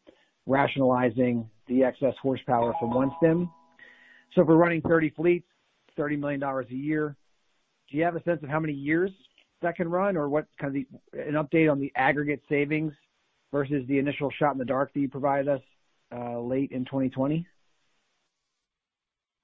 rationalizing the excess horsepower from OneStim. If we're running 30 fleets, $30 million a year, do you have a sense of how many years that can run or what kind of an update on the aggregate savings versus the initial shot in the dark that you provided us late in 2020?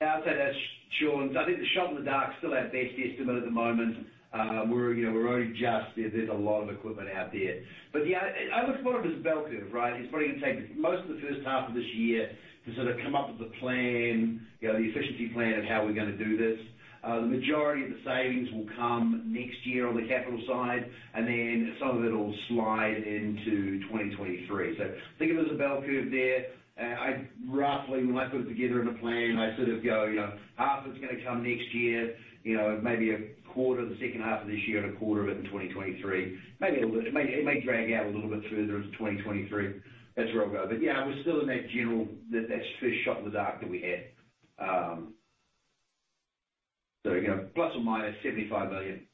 Yeah, I'd say that's Sean. I think the shot in the dark is still our best estimate at the moment. There's a lot of equipment out there. Yeah, I look at it as a bell curve, right? It's probably going to take most of the first half of this year to sort of come up with a plan, the efficiency plan of how we're going to do this. The majority of the savings will come next year on the capital side, and then some of it will slide into 2023. Think of it as a bell curve there. Roughly, when I put it together in a plan, I sort of go, half it's gonna come next year, maybe a quarter the second half of this year and a quarter of it in 2023. It may drag out a little bit further into 2023. That's where I'll go. Yeah, we're still in that general, that first shot in the dark that we had. ±$75 million,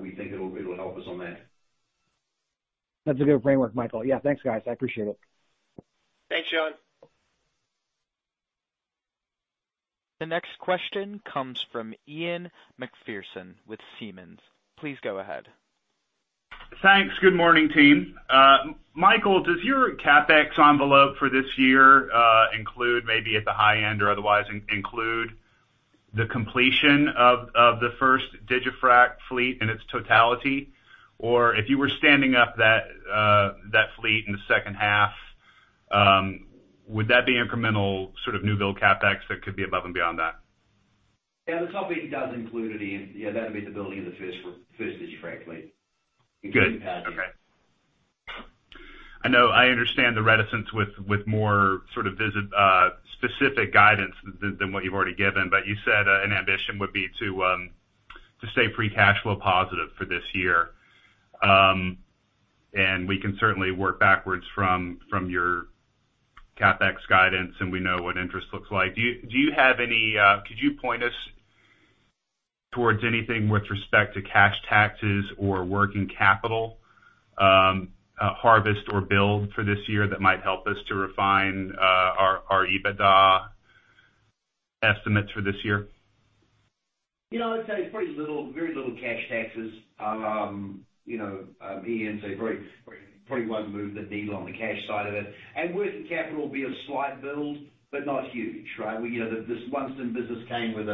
we think it'll help us on that. That's a good framework, Michael. Yeah, thanks guys. I appreciate it. Thanks, Sean. The next question comes from Ian Macpherson with Simmons. Please go ahead. Thanks. Good morning, team. Michael, does your CapEx envelope for this year include maybe at the high end or otherwise include the completion of the first digiFrac fleet in its totality? Or if you were standing up that fleet in the second half, would that be incremental sort of new build CapEx that could be above and beyond that? Yeah, the top eight does include it, Ian. Yeah, that'd be the building of the first digiFrac fleet. Good. Okay. I understand the reticence with more sort of specific guidance than what you've already given. You said an ambition would be to stay free cash flow positive for this year. We can certainly work backwards from your CapEx guidance, and we know what interest looks like. Could you point us towards anything with respect to cash taxes or working capital, harvest or build for this year that might help us to refine our EBITDA estimates for this year? I'd say very little cash taxes. Ian, so probably one move the needle on the cash side of it. Working capital will be a slight build, but not huge, right? This OneStim business came with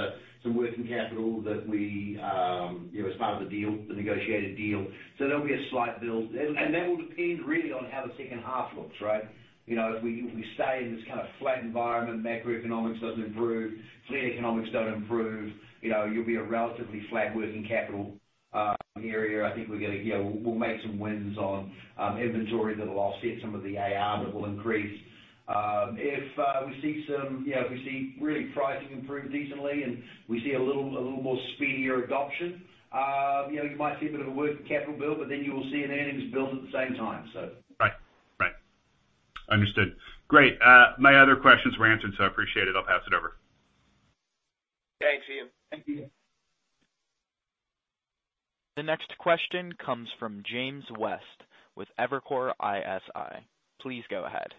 some working capital that as part of the deal, the negotiated deal. There'll be a slight build. That will depend really on how the second half looks, right? If we stay in this kind of flat environment, macroeconomics doesn't improve, fleet economics don't improve, you'll be a relatively flat working capital area. I think we'll make some wins on inventory that'll offset some of the AR that will increase. If we see really pricing improve decently and we see a little more speedier adoption, you might see a bit of a working capital build, then you will see an earnings build at the same time. Right. Understood. Great. My other questions were answered, so I appreciate it. I'll pass it over. Thanks, Ian. Thank you. The next question comes from James West with Evercore ISI. Please go ahead.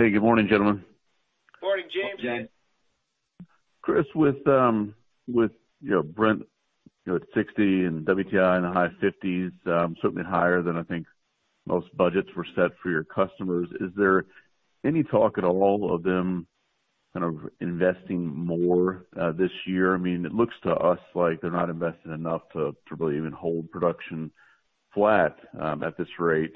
Hey, good morning, gentlemen. Morning, James. Chris, with Brent at $60 and WTI in the high $50s, certainly higher than I think most budgets were set for your customers, is there any talk at all of them kind of investing more this year? It looks to us like they're not investing enough to really even hold production flat at this rate.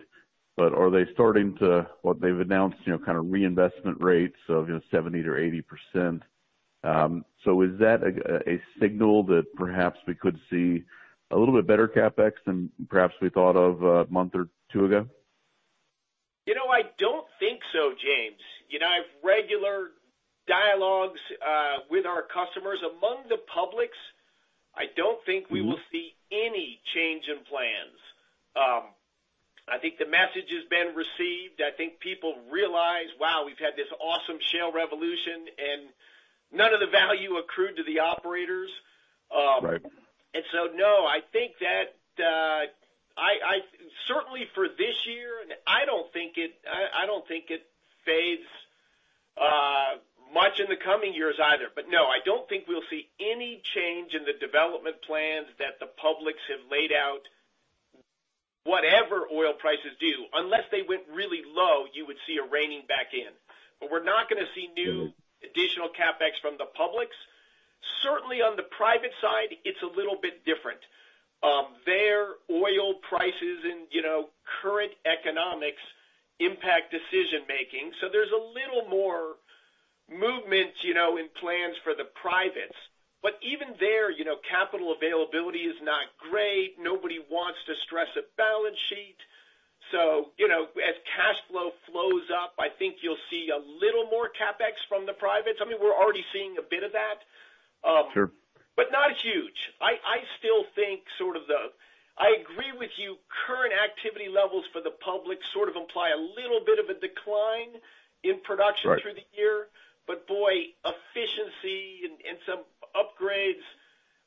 Are they starting to what they've announced, kind of reinvestment rates of 70% or 80%? Is that a signal that perhaps we could see a little bit better CapEx than perhaps we thought of a month or two ago? I don't think so, James. I have regular dialogues with our customers. Among the publics, I don't think we will see any change in plans. I think the message has been received. I think people realize, wow, we've had this awesome shale revolution, and none of the value accrued to the operators. Right. No, certainly for this year, and I don't think it fades much in the coming years either. No, I don't think we'll see any change in the development plans that the publics have laid out. Whatever oil prices do, unless they went really low, you would see a reining back in. We're not going to see new additional CapEx from the publics. Certainly, on the private side, it's a little bit different. Their oil prices and current economics impact decision making. There's a little more movement in plans for the privates. Even there, capital availability is not great. Nobody wants to stress a balance sheet. As cash flow flows up, I think you'll see a little more CapEx from the privates. We're already seeing a bit of that. Sure. Not huge. I agree with you. Current activity levels for the public sort of imply a little bit of a decline in production through the year. Boy, efficiency and some upgrades.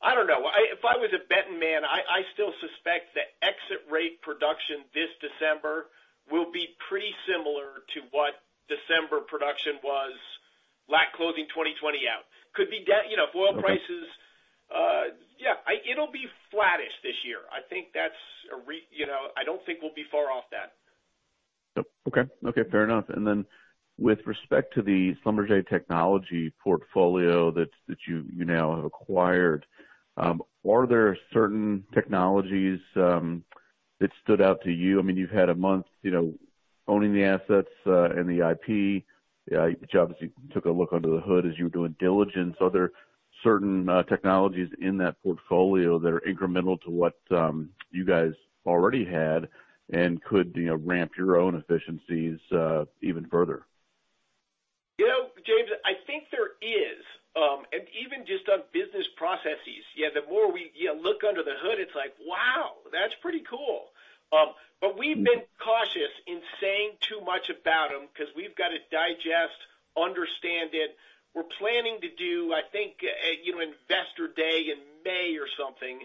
I don't know. If I was a betting man, I still suspect that exit rate production this December will be pretty similar to what December production was, that closing 2020 out. It'll be flattish this year. I don't think we'll be far off that. Okay. Fair enough. With respect to the Schlumberger technology portfolio that you now have acquired, are there certain technologies that stood out to you? You've had a month owning the assets and the IP. You obviously took a look under the hood as you were doing diligence. Are there certain technologies in that portfolio that are incremental to what you guys already had and could ramp your own efficiencies even further? James, I think there is. Even just on business processes. The more we look under the hood, it's like, wow, that's pretty cool. We've been cautious in saying too much about them because we've got to digest, understand it. We're planning to do, I think, Investor Day in May or something,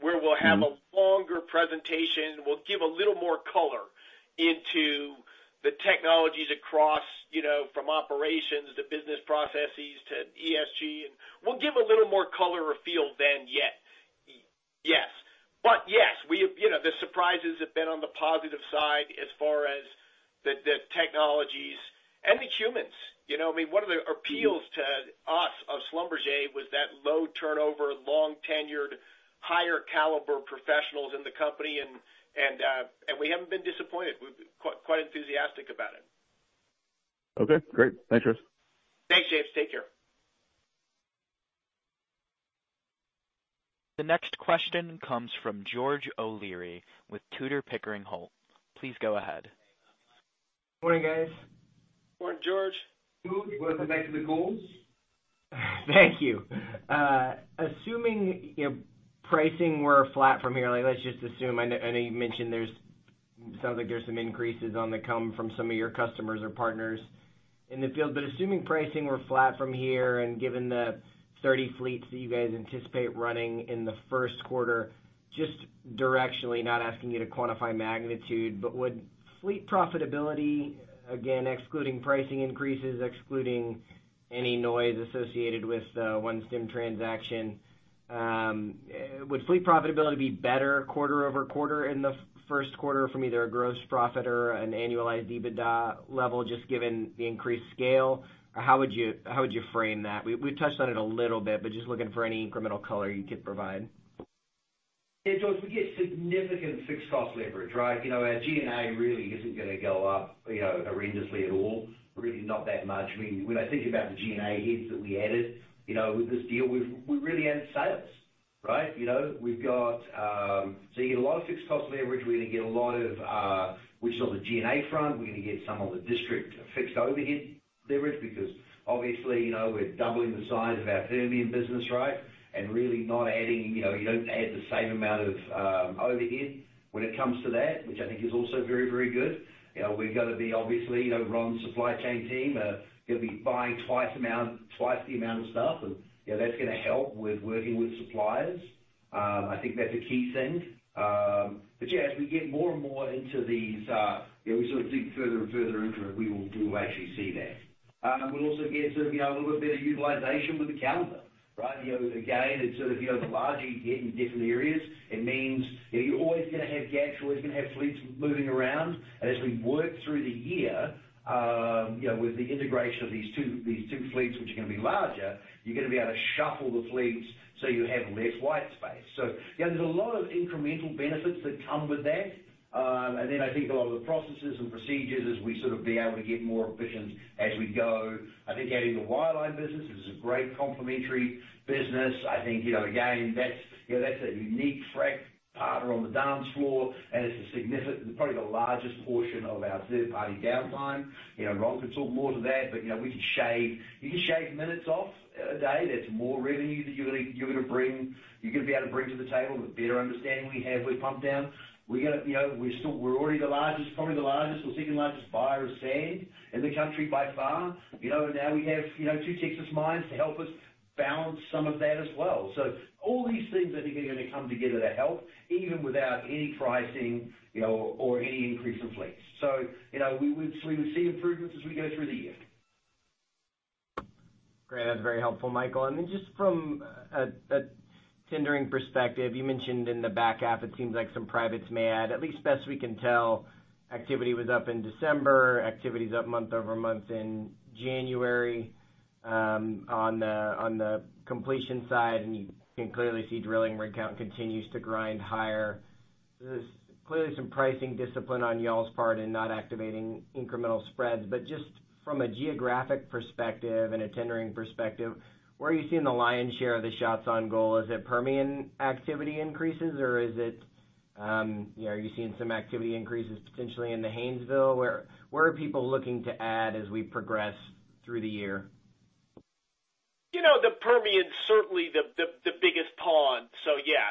where we'll have a longer presentation. We'll give a little more color into the technologies across from operations to business processes to ESG. We'll give a little more color or feel than yet. Yes, the surprises have been on the positive side as far as the technologies and the humans. One of the appeals to us of Schlumberger was that low turnover, long-tenured, higher caliber professionals in the company, and we haven't been disappointed. We're quite enthusiastic about it. Okay, great. Thanks, Chris. Thanks, James. Take care. The next question comes from George O'Leary with Tudor, Pickering, Holt. Please go ahead. Morning, guys. Morning, George. Welcome back to the calls. Thank you. Assuming pricing were flat from here, let's just assume. I know you mentioned there sounds like there's some increases on the come from some of your customers or partners in the field. Assuming pricing were flat from here, and given the 30 fleets that you guys anticipate running in the first quarter, just directionally, not asking you to quantify magnitude, but would fleet profitability, again, excluding pricing increases, excluding any noise associated with the OneStim transaction, would fleet profitability be better quarter-over-quarter in the first quarter from either a gross profit or an annualized EBITDA level, just given the increased scale? Or how would you frame that? We touched on it a little bit, but just looking for any incremental color you could provide. Yeah, George, we get significant fixed cost leverage, right? Our G&A really isn't going to go up horrendously at all, really not that much. When I think about the G&A heads that we added with this deal, we really added sales, right? You get a lot of fixed cost leverage. We're going to get a lot of, which is on the G&A front. We're going to get some of the district fixed overhead leverage, because obviously, we're doubling the size of our Permian business, right? Really not adding, you don't add the same amount of overhead When it comes to that, which I think is also very good. We're going to be, obviously, Ron's supply chain team are going to be buying twice the amount of stuff, and that's going to help with working with suppliers. I think that's a key thing. Yeah, as we get more and more into these, we sort of dig further and further into it, we will do actually see that. We'll also get sort of a little bit better utilization with the calendar, right? Again, it's sort of the larger you get in different areas, it means you're always going to have gaps, you're always going to have fleets moving around. As we work through the year, with the integration of these two fleets, which are going to be larger, you're going to be able to shuffle the fleets so you have less white space. Yeah, there's a lot of incremental benefits that come with that. I think a lot of the processes and procedures as we sort of be able to get more efficient as we go. I think adding the wireline business is a great complementary business. I think, again, that's a unique frac partner on the dance floor, and it's probably the largest portion of our third-party downtime. Ron Gusek could talk more to that, but if you shave minutes off a day, that's more revenue that you're gonna be able to bring to the table. The better understanding we have with pump down. We're already probably the largest or second-largest buyer of sand in the country by far. Now we have two Texas mines to help us balance some of that as well. All these things I think are going to come together to help, even without any pricing or any increase in fleets. We would see improvements as we go through the year. Great. That's very helpful, Michael. Just from a tendering perspective, you mentioned in the back half, it seems like some privates may add, at least best we can tell, activity was up in December, activity's up month-over-month in January, on the completion side. You can clearly see drilling rig count continues to grind higher. There's clearly some pricing discipline on you all's part in not activating incremental spreads. From a geographic perspective and a tendering perspective, where are you seeing the lion's share of the shots on goal? Is it Permian activity increases, or are you seeing some activity increases potentially in the Haynesville? Where are people looking to add as we progress through the year? The Permian's certainly the biggest pond. Yeah.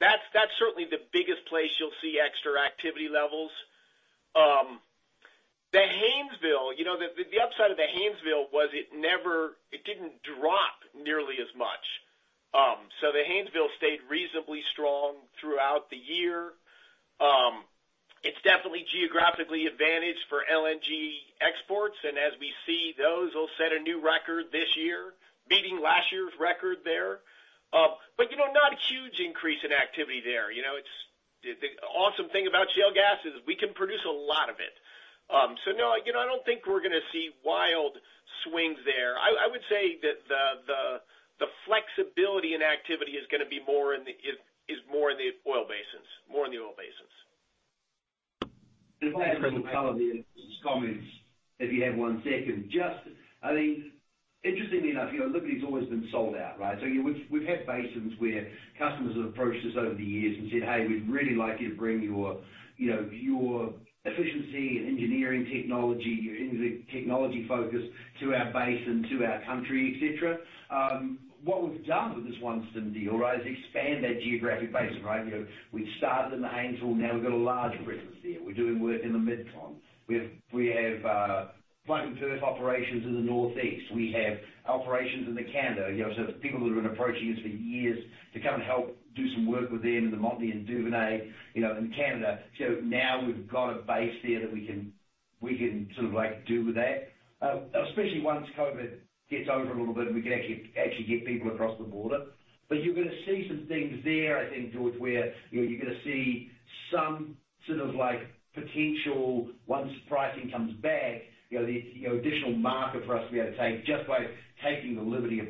That's certainly the biggest place you'll see extra activity levels. The upside of the Haynesville was it didn't drop nearly as much. The Haynesville stayed reasonably strong throughout the year. It's definitely geographically advantaged for LNG exports, and as we see, those will set a new record this year, beating last year's record there. Not a huge increase in activity there. The awesome thing about shale gas is we can produce a lot of it. No, I don't think we're gonna see wild swings there. I would say that the flexibility in activity is more in the oil basins. If I could just color the comments, if you have one second. Interestingly enough, Liberty's always been sold out, right? We've had basins where customers have approached us over the years and said, "Hey, we'd really like you to bring your efficiency and engineering technology, your technology focus to our basin, to our country, et cetera." What we've done with this OneStim deal is expand that geographic basin, right? We started in the Haynesville, now we've got a large presence there. We're doing work in the MidCon. We have plug and perf operations in the Northeast. We have operations in Canada. The people that have been approaching us for years to come and help do some work with them in the Montney and Duvernay in Canada. Now we've got a base there that we can sort of do with that, especially once COVID gets over a little bit and we can actually get people across the border. You're gonna see some things there, I think, George, where you're gonna see some sort of potential once pricing comes back, the additional market for us to be able to take just by taking the Liberty of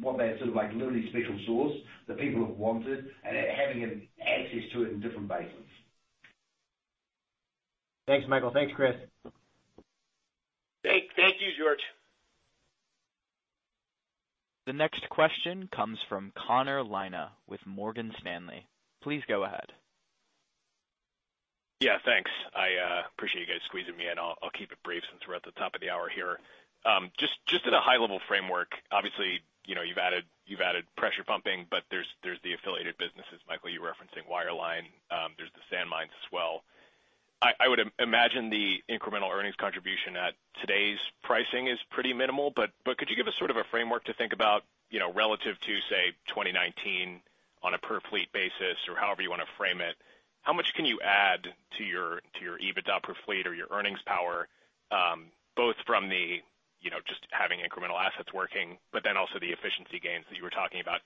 what that sort of Liberty special sauce that people have wanted and having an access to it in different basins. Thanks, Michael. Thanks, Chris. Thank you, George. The next question comes from Connor Lynagh with Morgan Stanley. Please go ahead. Yeah, thanks. I appreciate you guys squeezing me in. I'll keep it brief since we're at the top of the hour here. At a high-level framework, obviously, you've added pressure pumping, but there's the affiliated businesses, Michael, you're referencing wireline. There's the sand mines as well. I would imagine the incremental earnings contribution at today's pricing is pretty minimal, but could you give us sort of a framework to think about, relative to, say, 2019 on a per fleet basis or however you want to frame it? How much can you add to your EBITDA per fleet or your earnings power? Both from the just having incremental assets working, but then also the efficiency gains that you were talking about.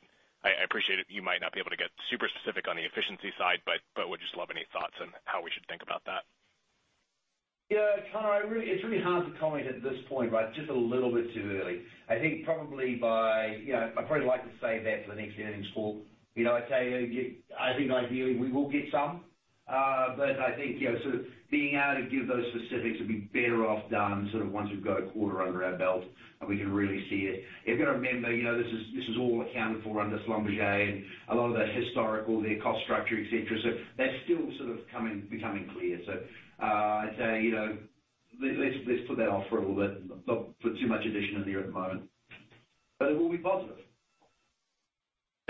I appreciate you might not be able to get super specific on the efficiency side, but would just love any thoughts on how we should think about that. Connor, it's really hard to comment at this point, it's just a little bit too early. I'd probably like to save that for the next earnings call. I'd say I think ideally we will get some. I think sort of being able to give those specifics would be better off done sort of once we've got a quarter under our belt and we can really see it. You've got to remember, this is all accounted for under Schlumberger and a lot of that's historical, their cost structure, et cetera. That's still sort of becoming clear. Let's put that off for a little bit. Not put too much addition in there at the moment. It will be positive.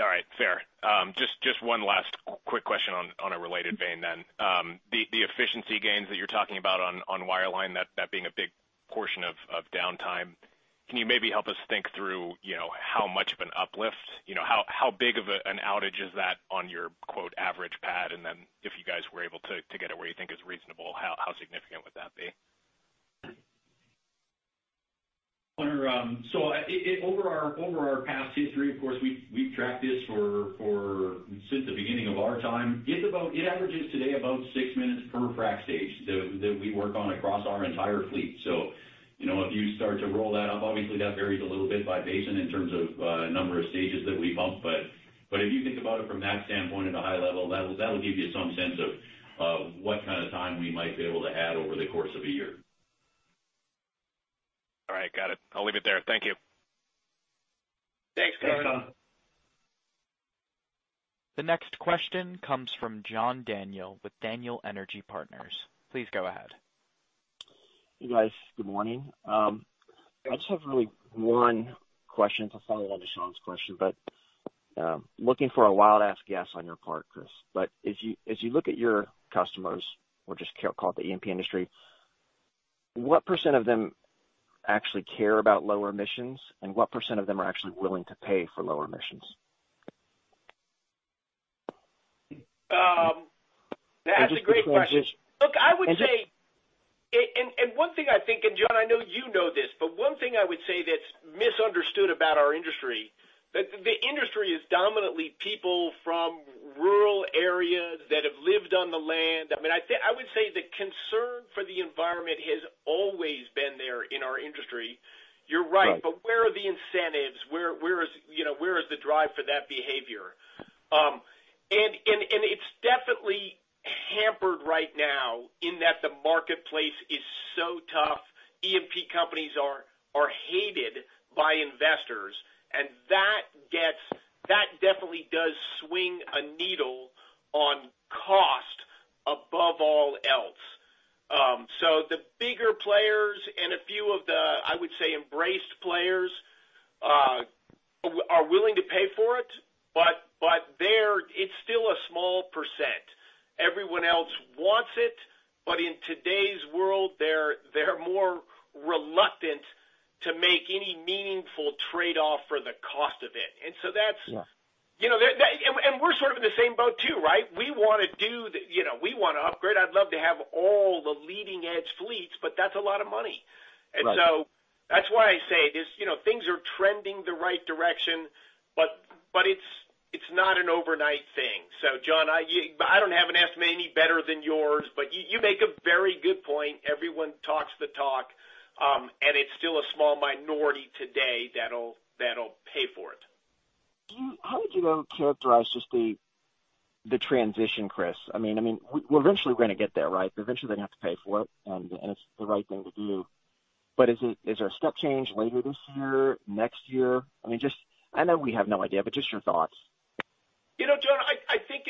All right. Fair. Just one last quick question on a related vein then. The efficiency gains that you're talking about on wireline, that being a big portion of downtime, can you maybe help us think through how much of an uplift, how big of an outage is that on your "average pad?" If you guys were able to get it where you think is reasonable, how significant would that be? Over our past history, of course, we've tracked this since the beginning of our time. It averages today about six minutes per frac stage that we work on across our entire fleet. If you start to roll that up, obviously that varies a little bit by basin in terms of number of stages that we pump. If you think about it from that standpoint at a high level, that'll give you some sense of what kind of time we might be able to add over the course of a year. All right. Got it. I'll leave it there. Thank you. Thanks, Connor. The next question comes from John Daniel with Daniel Energy Partners. Please go ahead. You guys, good morning. I just have really one question to follow on Sean's question, looking for a wild ass guess on your part, Chris. As you look at your customers, or just call it the E&P industry, what percent of them actually care about lower emissions and what percent of them are actually willing to pay for lower emissions? That's a great question. Look, I would say one thing I think, and John, I know you know this, but one thing I would say that's misunderstood about our industry, that the industry is dominantly people from rural areas that have lived on the land. I would say the concern for the environment has always been there in our industry. You're right. Right. Where are the incentives? Where is the drive for that behavior? It's definitely hampered right now in that the marketplace is so tough. E&P companies are hated by investors, and that definitely does swing a needle on cost above all else. The bigger players and a few of the, I would say, embraced players are willing to pay for it, but it's still a small percent. Everyone else wants it, but in today's world, they're more reluctant to make any meaningful trade-off for the cost of it. Yeah. We're sort of in the same boat too, right? We want to upgrade. I'd love to have all the leading edge fleets, that's a lot of money. Right. That's why I say this, things are trending the right direction, but it's not an overnight thing. John, I don't have an estimate any better than yours, but you make a very good point. Everyone talks the talk, and it's still a small minority today that'll pay for it. How would you characterize just the transition, Chris? We're eventually going to get there, right? Eventually, they're gonna have to pay for it, and it's the right thing to do. Is there a step change later this year, next year? I know we have no idea, but just your thoughts. John, I think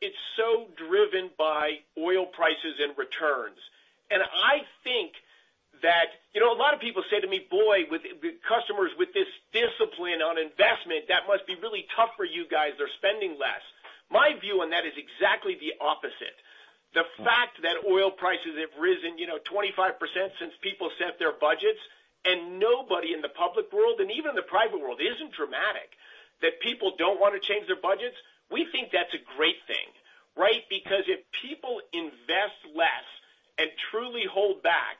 it's so driven by oil prices and returns. I think that a lot of people say to me, "Boy, with customers with this discipline on investment, that must be really tough for you guys. They're spending less." My view on that is exactly the opposite. The fact that oil prices have risen 25% since people set their budgets and nobody in the public world, and even the private world, isn't dramatic, that people don't want to change their budgets. We think that's a great thing, right? If people invest less and truly hold back,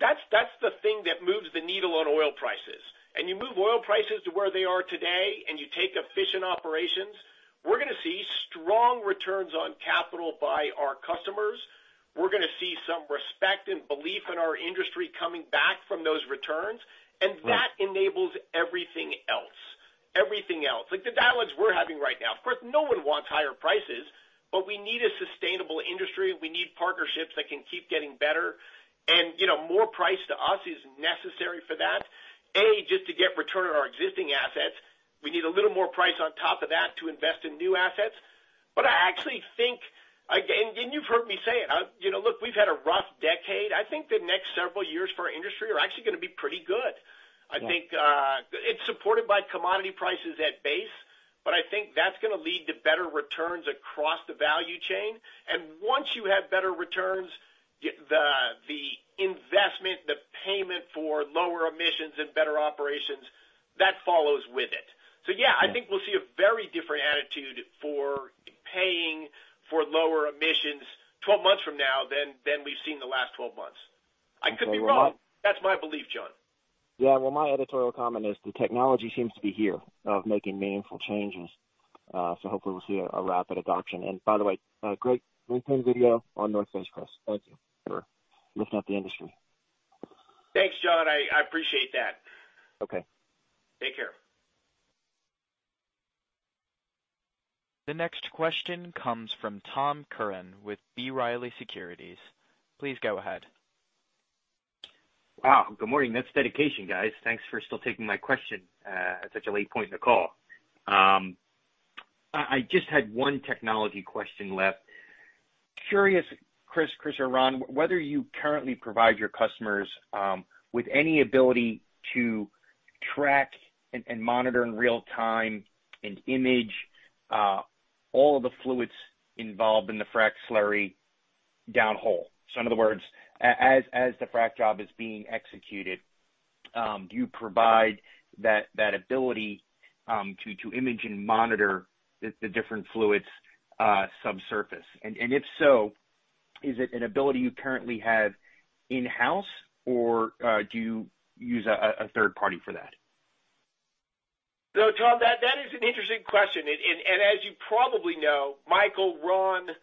that's the thing that moves the needle on oil prices. You move oil prices to where they are today, and you take efficient operations, we're gonna see strong returns on capital by our customers. We're gonna see some respect and belief in our industry coming back from those returns. That enables everything else. Everything else, like the dialogues we're having right now. Of course, no one wants higher prices, but we need a sustainable industry. We need partnerships that can keep getting better, and more price to us is necessary for that. Just to get return on our existing assets. We need a little more price on top of that to invest in new assets. I actually think, and you've heard me say it. Look, we've had a rough decade. I think the next several years for our industry are actually gonna be pretty good. I think it's supported by commodity prices at base. I think that's going to lead to better returns across the value chain. Once you have better returns, the investment, the payment for lower emissions and better operations, that follows with it. I think we'll see a very different attitude for paying for lower emissions 12 months from now than we've seen the last 12 months. I could be wrong. That's my belief, John. Yeah. Well, my editorial comment is the technology seems to be here of making meaningful changes. Hopefully we'll see a rapid adoption. By the way, great LinkedIn video on The North Face, Chris. Thank you. Sure. Lifting up the industry. Thanks, John. I appreciate that. Okay. Take care. The next question comes from Thomas Curran with B. Riley Securities. Please go ahead. Wow, good morning. That's dedication, guys. Thanks for still taking my question at such a late point in the call. I just had one technology question left. Curious, Chris Wright, or Ron Gusek, whether you currently provide your customers with any ability to track and monitor in real-time and image all of the fluids involved in the frac slurry downhole. In other words, as the frac job is being executed, do you provide that ability to image and monitor the different fluids subsurface? If so, is it an ability you currently have in-house, or do you use a third party for that? Thomas, that is an interesting question. As you probably know, Michael Stock, Ron Gusek,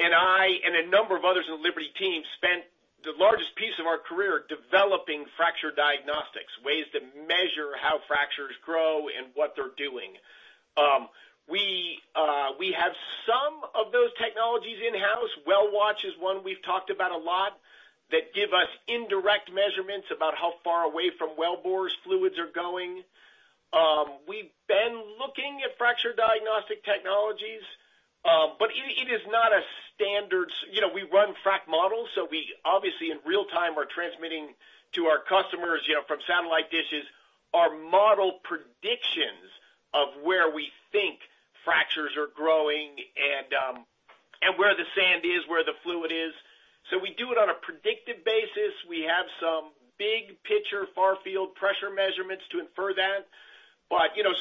and I, and a number of others in the Liberty team, spent the largest piece of our career developing fracture diagnostics, ways to measure how fractures grow and what they're doing. We have some of those technologies in-house. WellWatch is one we've talked about a lot that give us indirect measurements about how far away from well bores fluids are going. We've been looking at fracture diagnostic technologies, but it is not a standard. We run frac models, we obviously in real time are transmitting to our customers from satellite dishes our model predictions of where we think fractures are growing and where the sand is, where the fluid is. We do it on a predictive basis. We have some big picture far field pressure measurements to infer that.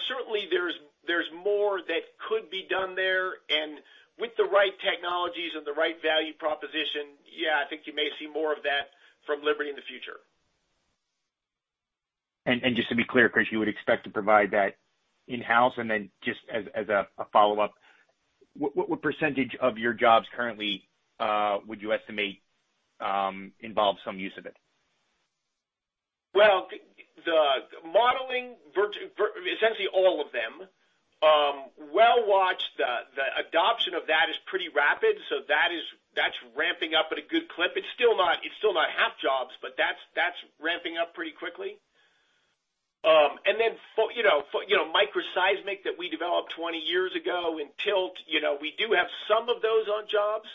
Certainly there's more that could be done there and with the right technologies and the right value proposition, yeah, I think you may see more of that from Liberty in the future. Just to be clear, Chris, you would expect to provide that in-house. Then just as a follow-up, what percentage of your jobs currently would you estimate involve some use of it? Well, the modeling, essentially all of them. WellWatch, the adoption of that is pretty rapid. That's ramping up at a good clip. It's still not half jobs, but that's ramping up pretty quickly. Micro seismic that we developed 20 years ago and tilt, we do have some of those on jobs.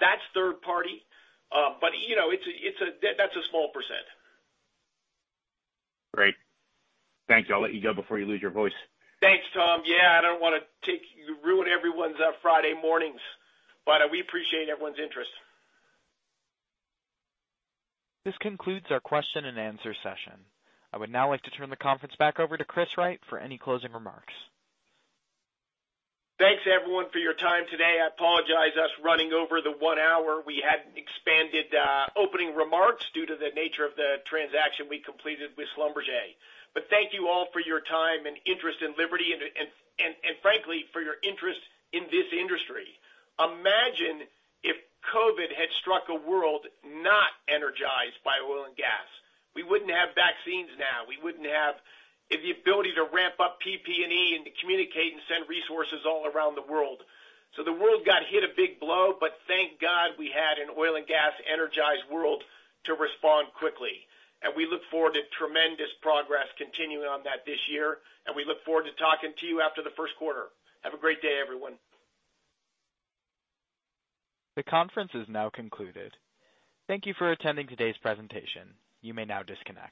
That's third party. That's a small percent. Great. Thanks. I'll let you go before you lose your voice. Thanks, Thomas. Yeah, I don't want to ruin everyone's Friday mornings, but we appreciate everyone's interest. This concludes our question and answer session. I would now like to turn the conference back over to Chris Wright for any closing remarks. Thanks everyone for your time today. I apologize us running over the one hour. We had expanded opening remarks due to the nature of the transaction we completed with Schlumberger. Thank you all for your time and interest in Liberty and frankly for your interest in this industry. Imagine if COVID-19 had struck a world not energized by oil and gas. We wouldn't have vaccines now. We wouldn't have the ability to ramp up PPE and to communicate and send resources all around the world. The world got hit a big blow, but thank God we had an oil and gas energized world to respond quickly. We look forward to tremendous progress continuing on that this year, and we look forward to talking to you after the first quarter. Have a great day, everyone. The conference is now concluded. Thank you for attending today's presentation. You may now disconnect.